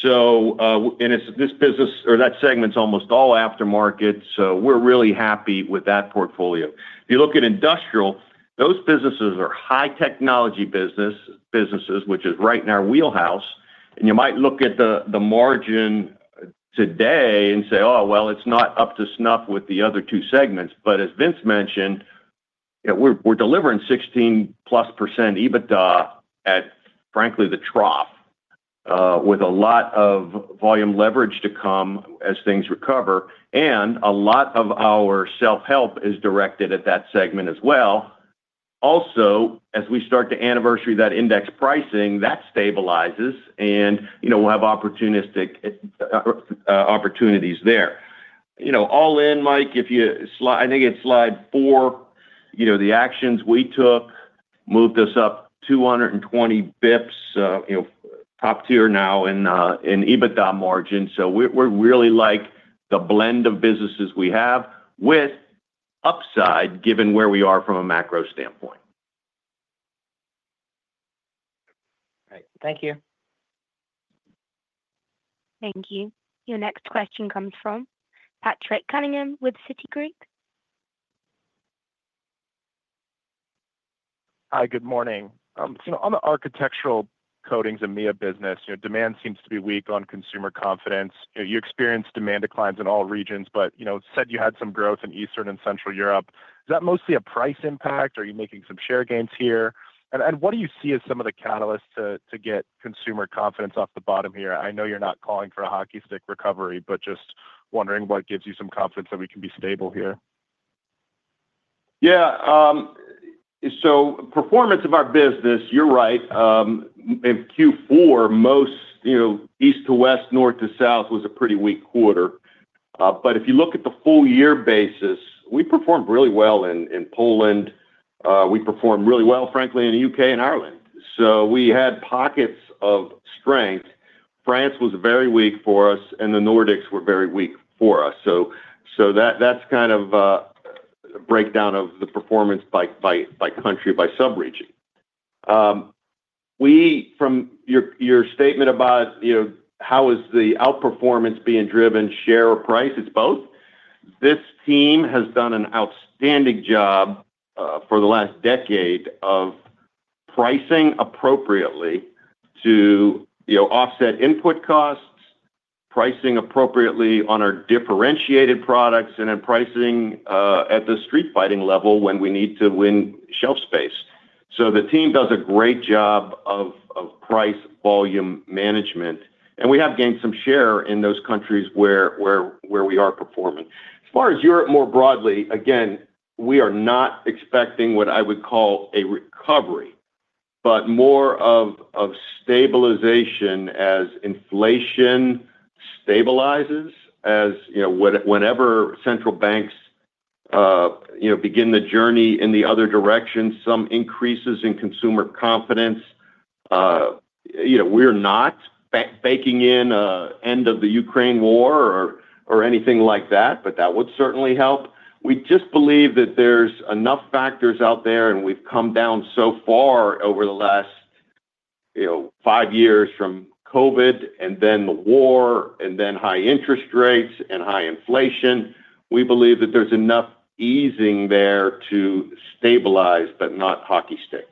And this business or that segment's almost all aftermarket. So we're really happy with that portfolio. If you look at industrial, those businesses are high-technology businesses, which is right in our wheelhouse. And you might look at the margin today and say, "Oh, well, it's not up to snuff with the other two segments." But as Vince mentioned, we're delivering 16+% EBITDA at, frankly, the trough with a lot of volume leverage to come as things recover. And a lot of our self-help is directed at that segment as well. Also, as we start to anniversary that index pricing, that stabilizes, and we'll have opportunities there. All in, Mike, if you slide I think it's slide four, the actions we took moved us up 220 basis points, top tier now in EBITDA margin. So we really like the blend of businesses we have with upside given where we are from a macro standpoint. Right. Thank you. Thank you. Your next question comes from Patrick Cunningham with Citigroup. Hi, good morning. On the Architectural Coatings and EMEA business, demand seems to be weak on consumer confidence. You experienced demand declines in all regions, but said you had some growth in Eastern and Central Europe. Is that mostly a price impact? Are you making some share gains here? And what do you see as some of the catalysts to get consumer confidence off the bottom here? I know you're not calling for a hockey stick recovery, but just wondering what gives you some confidence that we can be stable here? Yeah, so performance of our business, you're right. In Q4, most east to west, north to south was a pretty weak quarter, but if you look at the full-year basis, we performed really well in Poland. We performed really well, frankly, in the UK and Ireland, so we had pockets of strength. France was very weak for us, and the Nordics were very weak for us, so that's kind of a breakdown of the performance by country, by sub-region. From your statement about how is the outperformance being driven, share or price? It's both. This team has done an outstanding job for the last decade of pricing appropriately to offset input costs, pricing appropriately on our differentiated products, and then pricing at the street fighting level when we need to win shelf space. So the team does a great job of price volume management. And we have gained some share in those countries where we are performing. As far as Europe more broadly, again, we are not expecting what I would call a recovery, but more of stabilization as inflation stabilizes, as whenever central banks begin the journey in the other direction, some increases in consumer confidence. We're not baking in an end of the Ukraine war or anything like that, but that would certainly help. We just believe that there's enough factors out there, and we've come down so far over the last five years from COVID, and then the war, and then high interest rates, and high inflation. We believe that there's enough easing there to stabilize, but not hockey stick.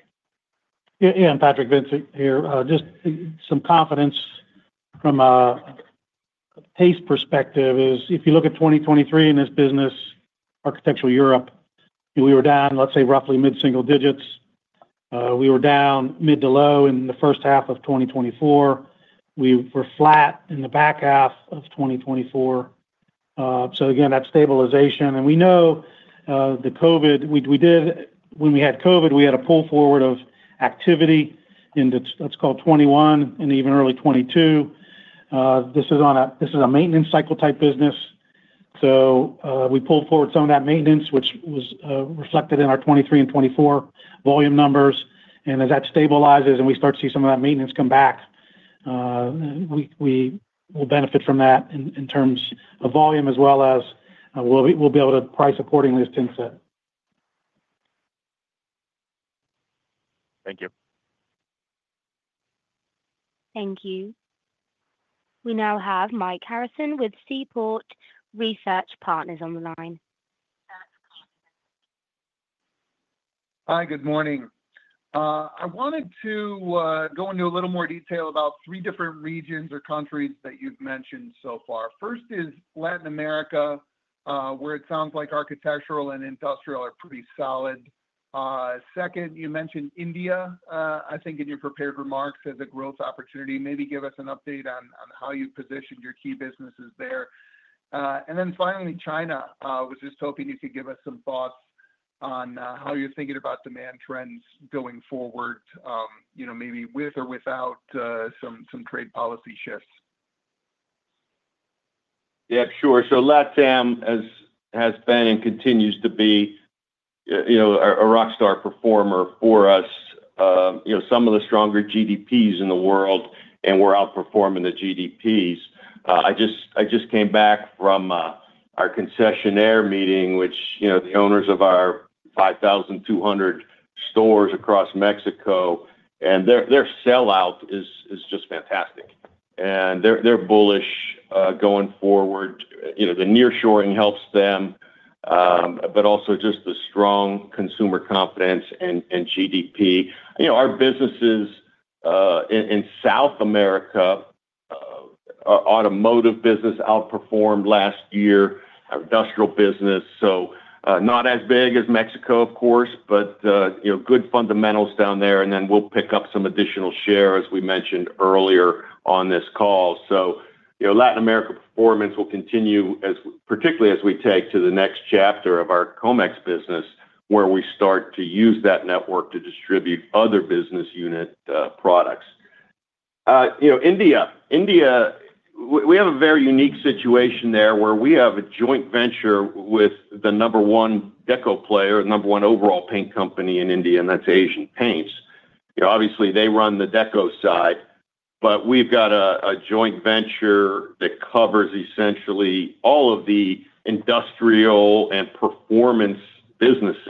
Yeah. And, Patrick, Vince here. Just some confidence from a pace perspective is if you look at 2023 in this business, Architectural Europe, we were down, let's say, roughly mid-single digits. We were down mid to low in the first half of 2024. We were flat in the back half of 2024. So again, that stabilization. And we know the COVID, when we had COVID, we had a pull forward of activity in, let's call it 2021 and even early 2022. This is a maintenance cycle type business. So we pulled forward some of that maintenance, which was reflected in our 2023 and 2024 volume numbers. And as that stabilizes and we start to see some of that maintenance come back, we will benefit from that in terms of volume as well as we'll be able to price accordingly as Tim said. Thank you. Thank you. We now have Mike Harrison with Seaport Research Partners on the line. Hi, good morning. I wanted to go into a little more detail about three different regions or countries that you've mentioned so far. First is Latin America, where it sounds like architectural and industrial are pretty solid. Second, you mentioned India, I think, in your prepared remarks as a growth opportunity. Maybe give us an update on how you've positioned your key businesses there. And then finally, China. I was just hoping you could give us some thoughts on how you're thinking about demand trends going forward, maybe with or without some trade policy shifts. Yep, sure. So LATAM has been and continues to be a rockstar performer for us. Some of the stronger GDPs in the world, and we're outperforming the GDPs. I just came back from our concessionaire meeting, which the owners of our 5,200 stores across Mexico, and their sellout is just fantastic. And they're bullish going forward. The nearshoring helps them, but also just the strong consumer confidence and GDP. Our businesses in South America, our automotive business outperformed last year, our industrial business. So not as big as Mexico, of course, but good fundamentals down there. And then we'll pick up some additional share, as we mentioned earlier on this call. So Latin America performance will continue, particularly as we take to the next chapter of our Comex business, where we start to use that network to distribute other business unit products. India. India, we have a very unique situation there where we have a joint venture with the number one Deco player, number one overall paint company in India, and that's Asian Paints. Obviously, they run the Deco side, but we've got a joint venture that covers essentially all of the industrial and performance businesses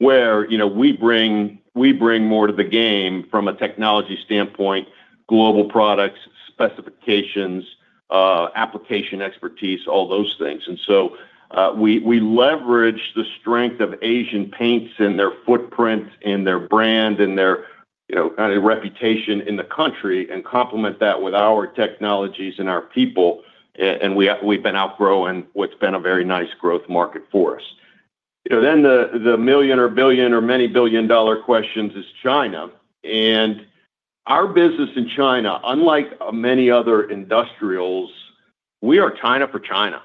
where we bring more to the game from a technology standpoint, global products, specifications, application expertise, all those things. And so we leverage the strength of Asian Paints and their footprint and their brand and their kind of reputation in the country and complement that with our technologies and our people. And we've been outgrowing what's been a very nice growth market for us. Then the million or billion or many billion dollar question is China. And our business in China, unlike many other industrials, we are China for China.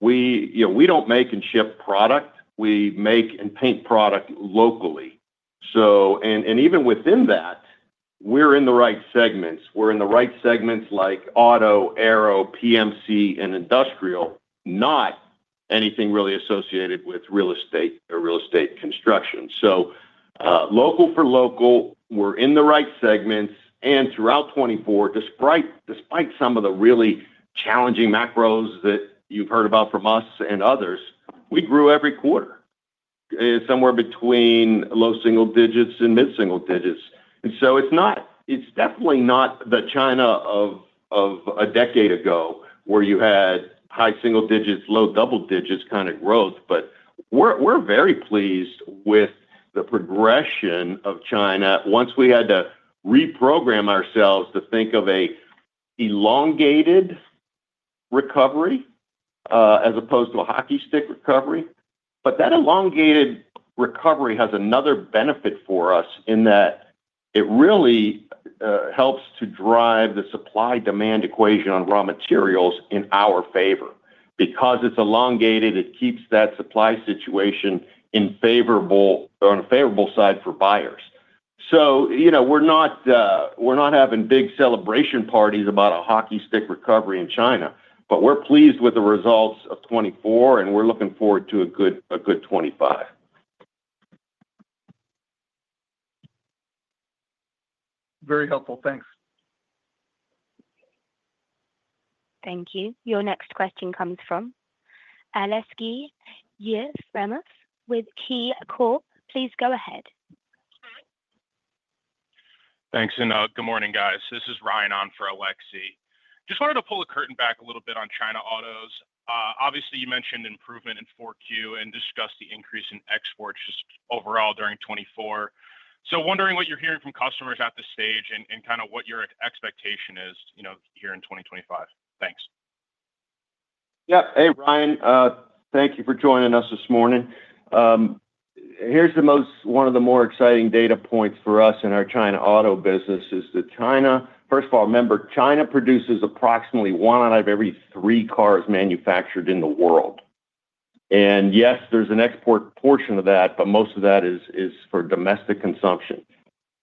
We don't make and ship product. We make and paint product locally. And even within that, we're in the right segments. We're in the right segments like auto, aero, PMC, and industrial, not anything really associated with real estate or real estate construction. So local for local, we're in the right segments. And throughout 2024, despite some of the really challenging macros that you've heard about from us and others, we grew every quarter somewhere between low single digits and mid-single digits. And so it's definitely not the China of a decade ago where you had high single digits, low double digits kind of growth. But we're very pleased with the progression of China. Once we had to reprogram ourselves to think of an elongated recovery as opposed to a hockey stick recovery. But that elongated recovery has another benefit for us in that it really helps to drive the supply-demand equation on raw materials in our favor because it's elongated. It keeps that supply situation on a favorable side for buyers. So we're not having big celebration parties about a hockey stick recovery in China, but we're pleased with the results of 2024, and we're looking forward to a good 2025. Very helpful. Thanks. Thank you. Your next question comes from Aleksey Yefremov with KeyCorp. Please go ahead. Thanks. And good morning, guys. This is Ryan on for Aleksey. Just wanted to pull the curtain back a little bit on China autos. Obviously, you mentioned improvement in 4Q and discussed the increase in exports just overall during 2024. So, wondering what you're hearing from customers at this stage and kind of what your expectation is here in 2025. Thanks. Yep. Hey, Ryan. Thank you for joining us this morning. Here's one of the more exciting data points for us in our China Auto business is that China, first of all, remember, China produces approximately one out of every three cars manufactured in the world. And yes, there's an export portion of that, but most of that is for domestic consumption.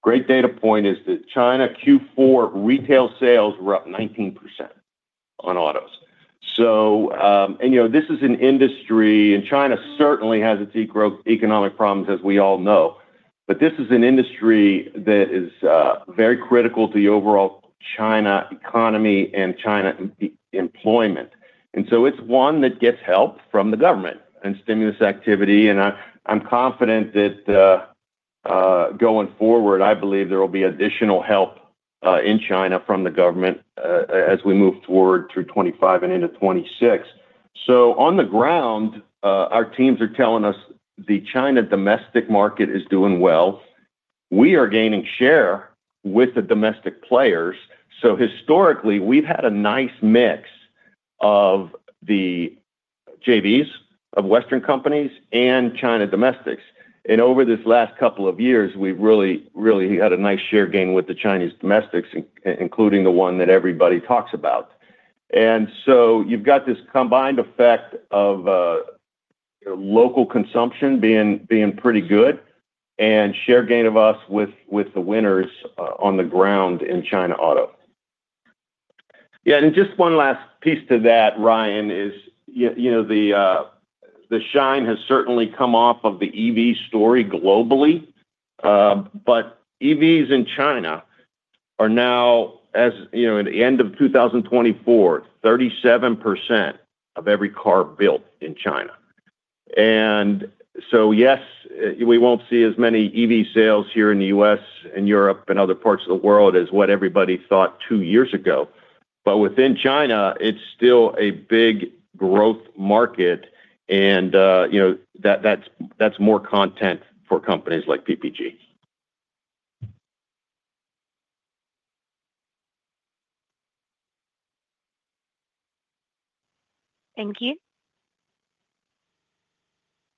Great data point is that China Q4 retail sales were up 19% on autos. And this is an industry, and China certainly has its economic problems, as we all know. But this is an industry that is very critical to the overall China economy and China employment. And so it's one that gets help from the government and stimulus activity. I'm confident that going forward, I believe there will be additional help in China from the government as we move forward through 2025 and into 2026. On the ground, our teams are telling us the China domestic market is doing well. We are gaining share with the domestic players. Historically, we've had a nice mix of the JVs of Western companies and China domestics. Over this last couple of years, we've really had a nice share gain with the Chinese domestics, including the one that everybody talks about. You've got this combined effect of local consumption being pretty good and share gain of us with the winners on the ground in China Auto. Yeah. Just one last piece to that, Ryan, is the shine has certainly come off of the EV story globally. But EVs in China are now, as at the end of 2024, 37% of every car built in China. And so yes, we won't see as many EV sales here in the U.S. and Europe and other parts of the world as what everybody thought two years ago. But within China, it's still a big growth market, and that's more content for companies like PPG. Thank you.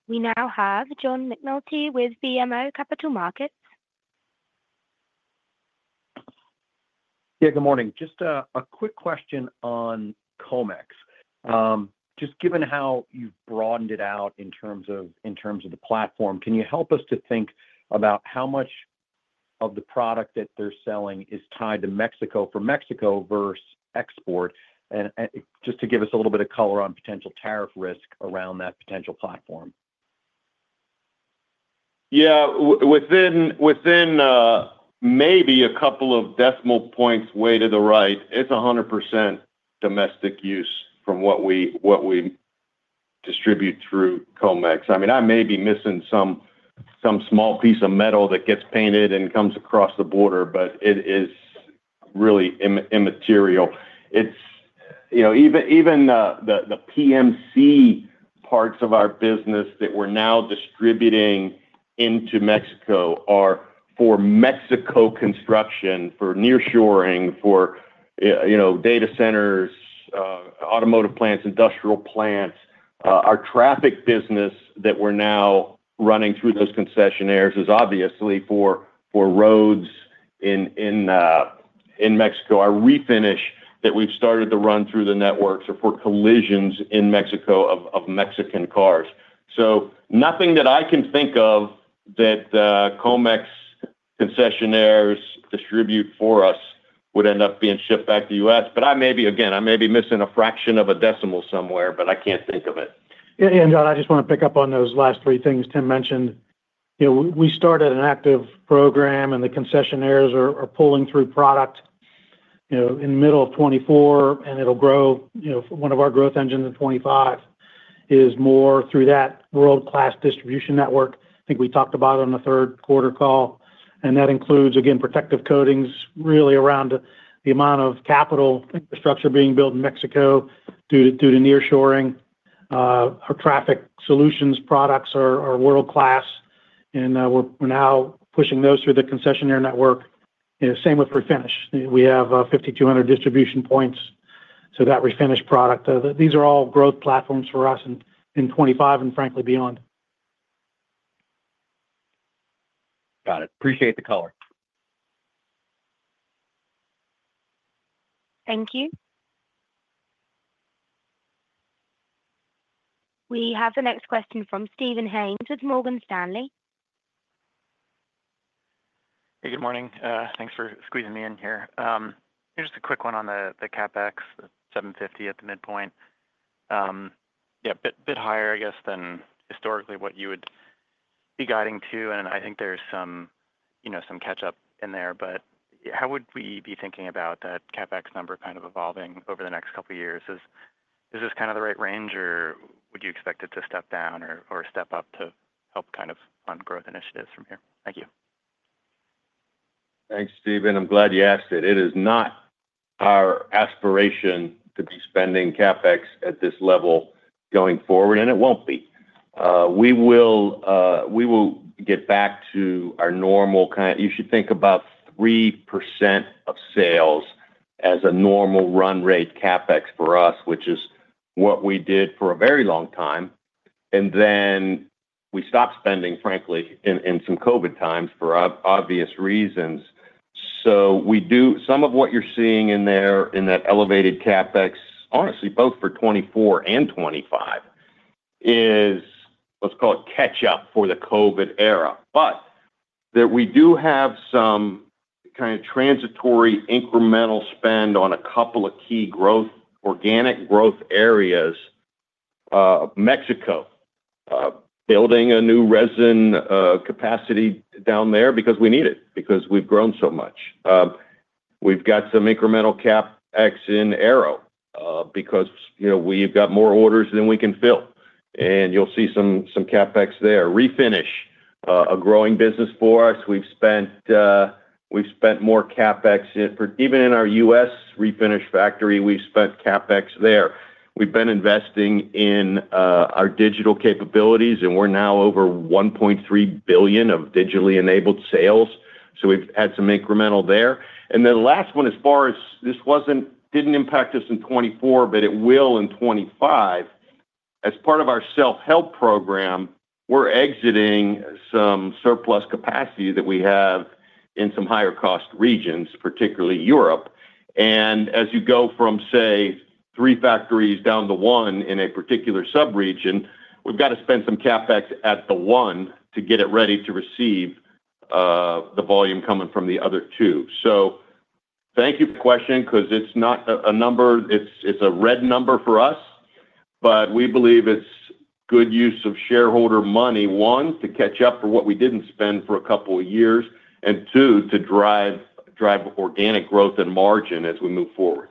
We now have John McNulty with BMO Capital Markets. Yeah. Good morning. Just a quick question on Comex. Just given how you've broadened it out in terms of the platform, can you help us to think about how much of the product that they're selling is tied to Mexico for Mexico versus export? And just to give us a little bit of color on potential tariff risk around that potential platform. Yeah. Within maybe a couple of decimal points way to the right, it's 100% domestic use from what we distribute through Comex. I mean, I may be missing some small piece of metal that gets painted and comes across the border, but it is really immaterial. Even the PMC parts of our business that we're now distributing into Mexico are for Mexico construction, for nearshoring, for data centers, automotive plants, industrial plants. Our traffic business that we're now running through those concessionaires is obviously for roads in Mexico, our Refinish that we've started to run through the networks, or for collisions in Mexico of Mexican cars. So nothing that I can think of that Comex concessionaires distribute for us would end up being shipped back to the U.S. But again, I may be missing a fraction of a decimal somewhere, but I can't think of it. Yeah. I just want to pick up on those last three things Tim mentioned. We started an active program, and the concessionaires are pulling through product in the middle of 2024, and it'll grow. One of our growth engines in 2025 is more through that world-class distribution network. I think we talked about it on the third quarter call. And that includes, again, Protective Coatings really around the amount of capital infrastructure being built in Mexico due to nearshoring. Our traffic solutions products are world-class, and we're now pushing those through the concessionaire network. Same with refinish. We have 5,200 distribution points to that Refinish product. These are all growth platforms for us in 2025 and frankly beyond. Got it. Appreciate the color. Thank you. We have the next question from Steven Haynes with Morgan Stanley. Hey, good morning. Thanks for squeezing me in here. Just a quick one on the CapEx, the $750 at the midpoint. Yeah. Bit higher, I guess, than historically what you would be guiding to. And I think there's some catch-up in there. But how would we be thinking about that CapEx number kind of evolving over the next couple of years? Is this kind of the right range, or would you expect it to step down or step up to help kind of fund growth initiatives from here? Thank you. Thanks, Steven. I'm glad you asked it. It is not our aspiration to be spending CapEx at this level going forward, and it won't be. We will get back to our normal kind of. You should think about 3% of sales as a normal run rate CapEx for us, which is what we did for a very long time. Then we stopped spending, frankly, in some COVID times for obvious reasons. Some of what you're seeing in there in that elevated CapEx, honestly, both for 2024 and 2025, is let's call it catch-up for the COVID era. We do have some kind of transitory incremental spend on a couple of key organic growth areas of Mexico, building a new resin capacity down there because we need it because we've grown so much. We've got some incremental CapEx in Aero because we've got more orders than we can fill. You'll see some CapEx there. Refinish, a growing business for us. We've spent more CapEx even in our U.S. Refinish factory. We've spent CapEx there. We've been investing in our digital capabilities, and we're now over $1.3 billion of digitally enabled sales. We've had some incremental there. And then the last one, as far as this didn't impact us in 2024, but it will in 2025. As part of our self-help program, we're exiting some surplus capacity that we have in some higher-cost regions, particularly Europe. And as you go from, say, three factories down to one in a particular subregion, we've got to spend some CapEx at the one to get it ready to receive the volume coming from the other two. So thank you for the question because it's not a number. It's a red number for us, but we believe it's good use of shareholder money, one, to catch up for what we didn't spend for a couple of years, and two, to drive organic growth and margin as we move forward.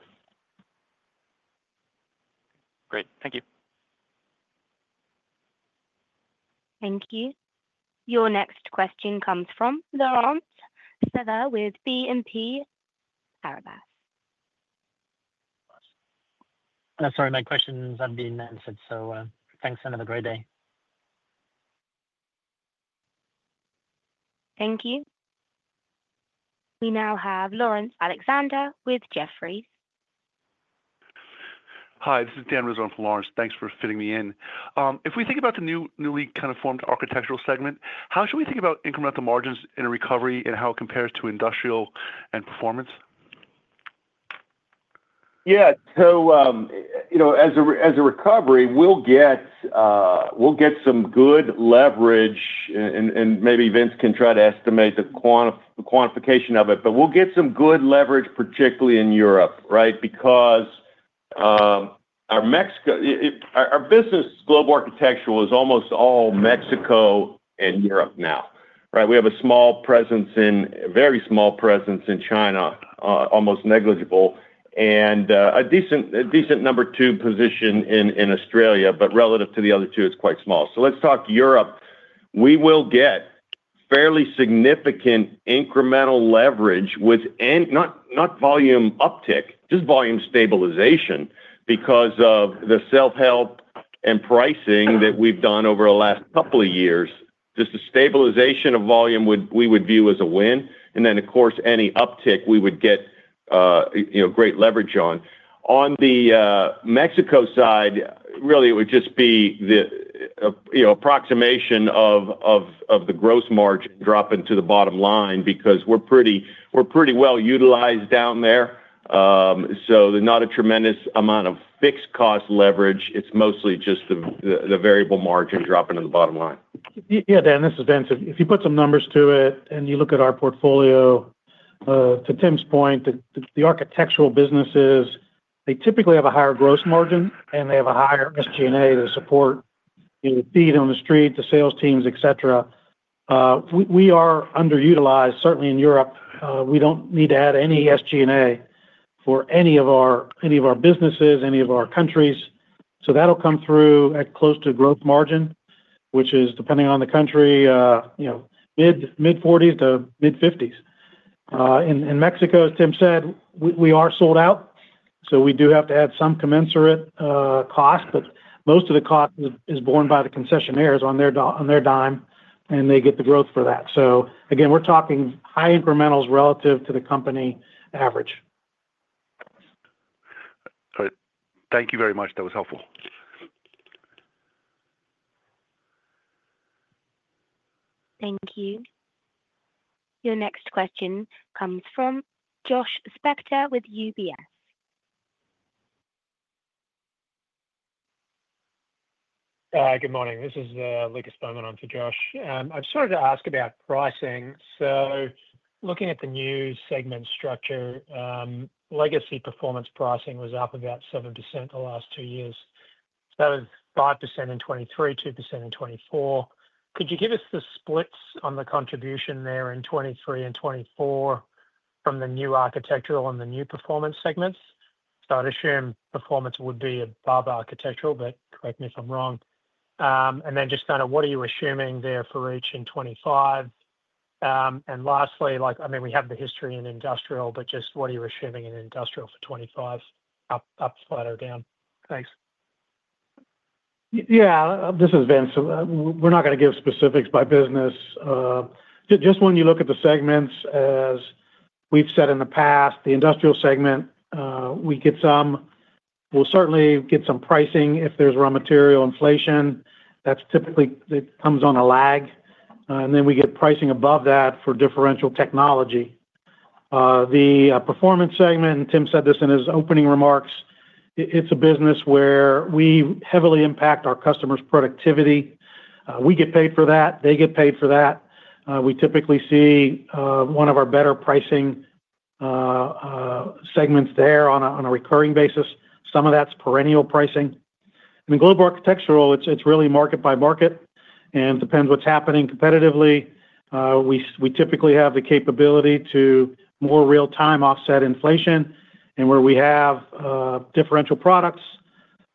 Great. Thank you. Thank you. Your next question comes from Laurent Favre with BNP Paribas. Sorry, my questions have been answered. So thanks and have a great day. Thank you. We now have Laurence Alexander with Jefferies. Hi. This is Dan Rizzo for Laurence. Thanks for fitting me in. If we think about the newly kind of formed architectural segment, how should we think about incremental margins in a recovery and how it compares to Industrial and Performance? Yeah. So in a recovery, we'll get some good leverage, and maybe Vince can try to estimate the quantification of it. But we'll get some good leverage, particularly in Europe, right, because our business, Global Architectural, is almost all Mexico and Europe now, right? We have a small presence, a very small presence in China, almost negligible, and a decent number two position in Australia. But relative to the other two, it's quite small. So let's talk Europe. We will get fairly significant incremental leverage with not volume uptick, just volume stabilization because of the self-help and pricing that we've done over the last couple of years. Just the stabilization of volume we would view as a win. And then, of course, any uptick, we would get great leverage on. On the Mexico side, really, it would just be the approximation of the gross margin dropping to the bottom line because we're pretty well utilized down there. So not a tremendous amount of fixed-cost leverage. It's mostly just the variable margin dropping on the bottom line. Yeah. Dan, this is Vince. If you put some numbers to it and you look at our portfolio, to Tim's point, the Architectural businesses, they typically have a higher gross margin, and they have a higher SG&A to support the feet on the street, the sales teams, etc. We are underutilized, certainly in Europe. We don't need to add any SG&A for any of our businesses, any of our countries. So that'll come through at close to gross margin, which is, depending on the country, mid-40s to mid-50s. In Mexico, as Tim said, we are sold out. So we do have to add some commensurate cost. But most of the cost is borne by the concessionaires on their dime, and they get the growth for that. So again, we're talking high incrementals relative to the company average. Thank you very much. That was helpful. Thank you. Your next question comes from Josh Spector with UBS. Good morning. This is Lucas Beaumont. I'm for Josh. I've started to ask about pricing. So looking at the new segment structure, legacy performance pricing was up about 7% the last two years. That was 5% in 2023, 2% in 2024. Could you give us the splits on the contribution there in 2023 and 2024 from the new Architectural and the new Performance segments? So I'd assume Performance would be above Architectural, but correct me if I'm wrong. And then just kind of what are you assuming there for each in 2025? And lastly, I mean, we have the history in industrial, but just what are you assuming in industrial for 2025, up, flat, or down? Thanks. Yeah. This is Vince. We're not going to give specifics by business. Just when you look at the segments, as we've said in the past, the Industrial segment, we get some. We'll certainly get some pricing if there's raw material inflation. That typically comes on a lag. And then we get pricing above that for differential technology. The Performance segment, and Tim said this in his opening remarks, it's a business where we heavily impact our customers' productivity. We get paid for that. They get paid for that. We typically see one of our better pricing segments there on a recurring basis. Some of that's perennial pricing. I mean, Global Architectural, it's really market by market, and it depends what's happening competitively. We typically have the capability to more real-time offset inflation. And where we have differential products,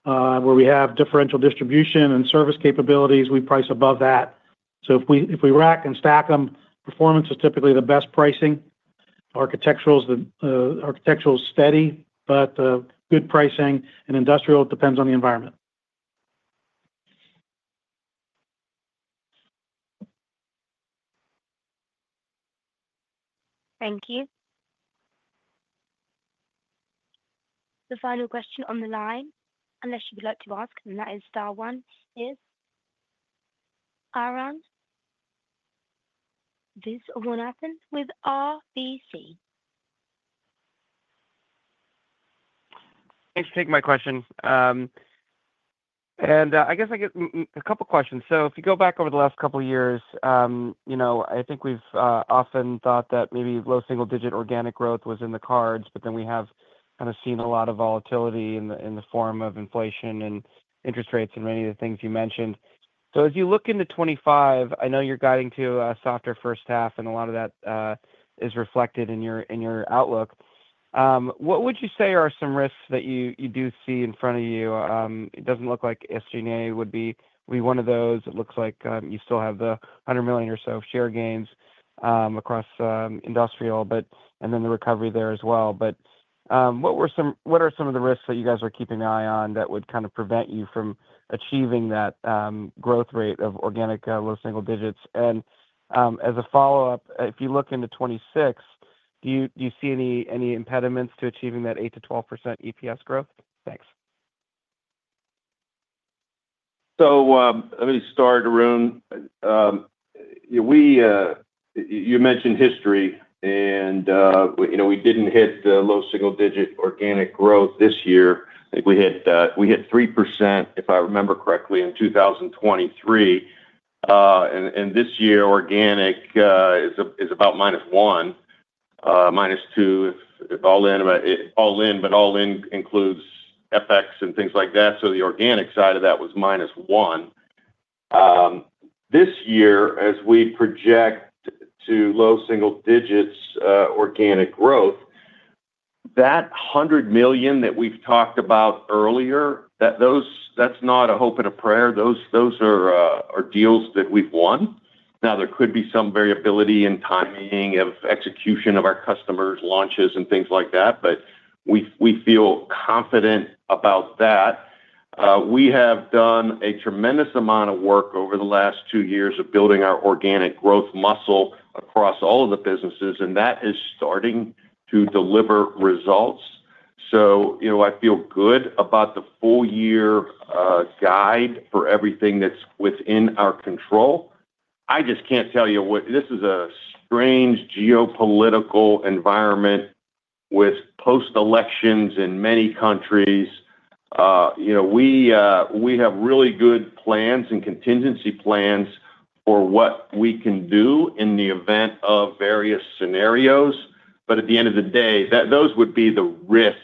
where we have differential distribution and service capabilities, we price above that. So if we rack and stack them, performance is typically the best pricing. Architectural is steady, but good pricing. And Industrial, it depends on the environment. Thank you. The final question on the line, unless you would like to ask, and that is star one, is Arun Viswanathan with RBC. Thanks for taking my question. I guess I get a couple of questions. If you go back over the last couple of years, I think we've often thought that maybe low single-digit organic growth was in the cards, but then we have kind of seen a lot of volatility in the form of inflation and interest rates and many of the things you mentioned. As you look into 2025, I know you're guiding to a softer first half, and a lot of that is reflected in your outlook. What would you say are some risks that you do see in front of you? It doesn't look like SG&A would be one of those. It looks like you still have the $100 million or so share gains across industrial, and then the recovery there as well. But what are some of the risks that you guys are keeping an eye on that would kind of prevent you from achieving that growth rate of organic low single digits? And as a follow-up, if you look into 2026, do you see any impediments to achieving that 8%-12% EPS growth? Thanks. So let me start, Arun. You mentioned history, and we didn't hit the low single-digit organic growth this year. I think we hit 3%, if I remember correctly, in 2023. And this year, organic is about minus one, minus two, if all in, but all in includes FX and things like that. So the organic side of that was minus one. This year, as we project to low single digits organic growth, that $100 million that we've talked about earlier, that's not a hope and a prayer. Those are deals that we've won. Now, there could be some variability in timing of execution of our customers, launches, and things like that, but we feel confident about that. We have done a tremendous amount of work over the last two years of building our organic growth muscle across all of the businesses, and that is starting to deliver results. So I feel good about the full-year guide for everything that's within our control. I just can't tell you what this is, a strange geopolitical environment with post-elections in many countries. We have really good plans and contingency plans for what we can do in the event of various scenarios. But at the end of the day, those would be the risks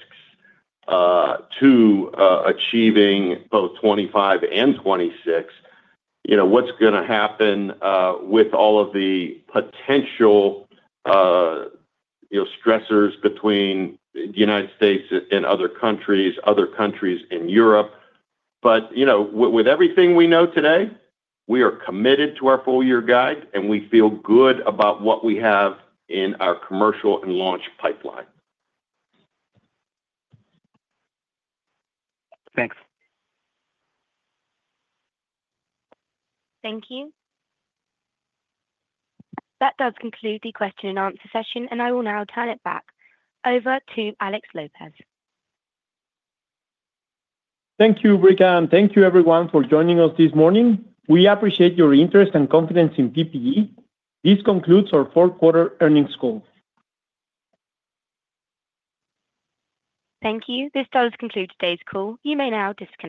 to achieving both 2025 and 2026. What's going to happen with all of the potential stressors between the United States and other countries, other countries in Europe. But with everything we know today, we are committed to our full-year guide, and we feel good about what we have in our commercial and launch pipeline. Thanks. Thank you. That does conclude the question and answer session, and I will now turn it back over to Alex Lopez. Thank you, Breca. And thank you, everyone, for joining us this morning. We appreciate your interest and confidence in PPG. This concludes our fourth quarter earnings call. Thank you. This does conclude today's call. You may now disconnect.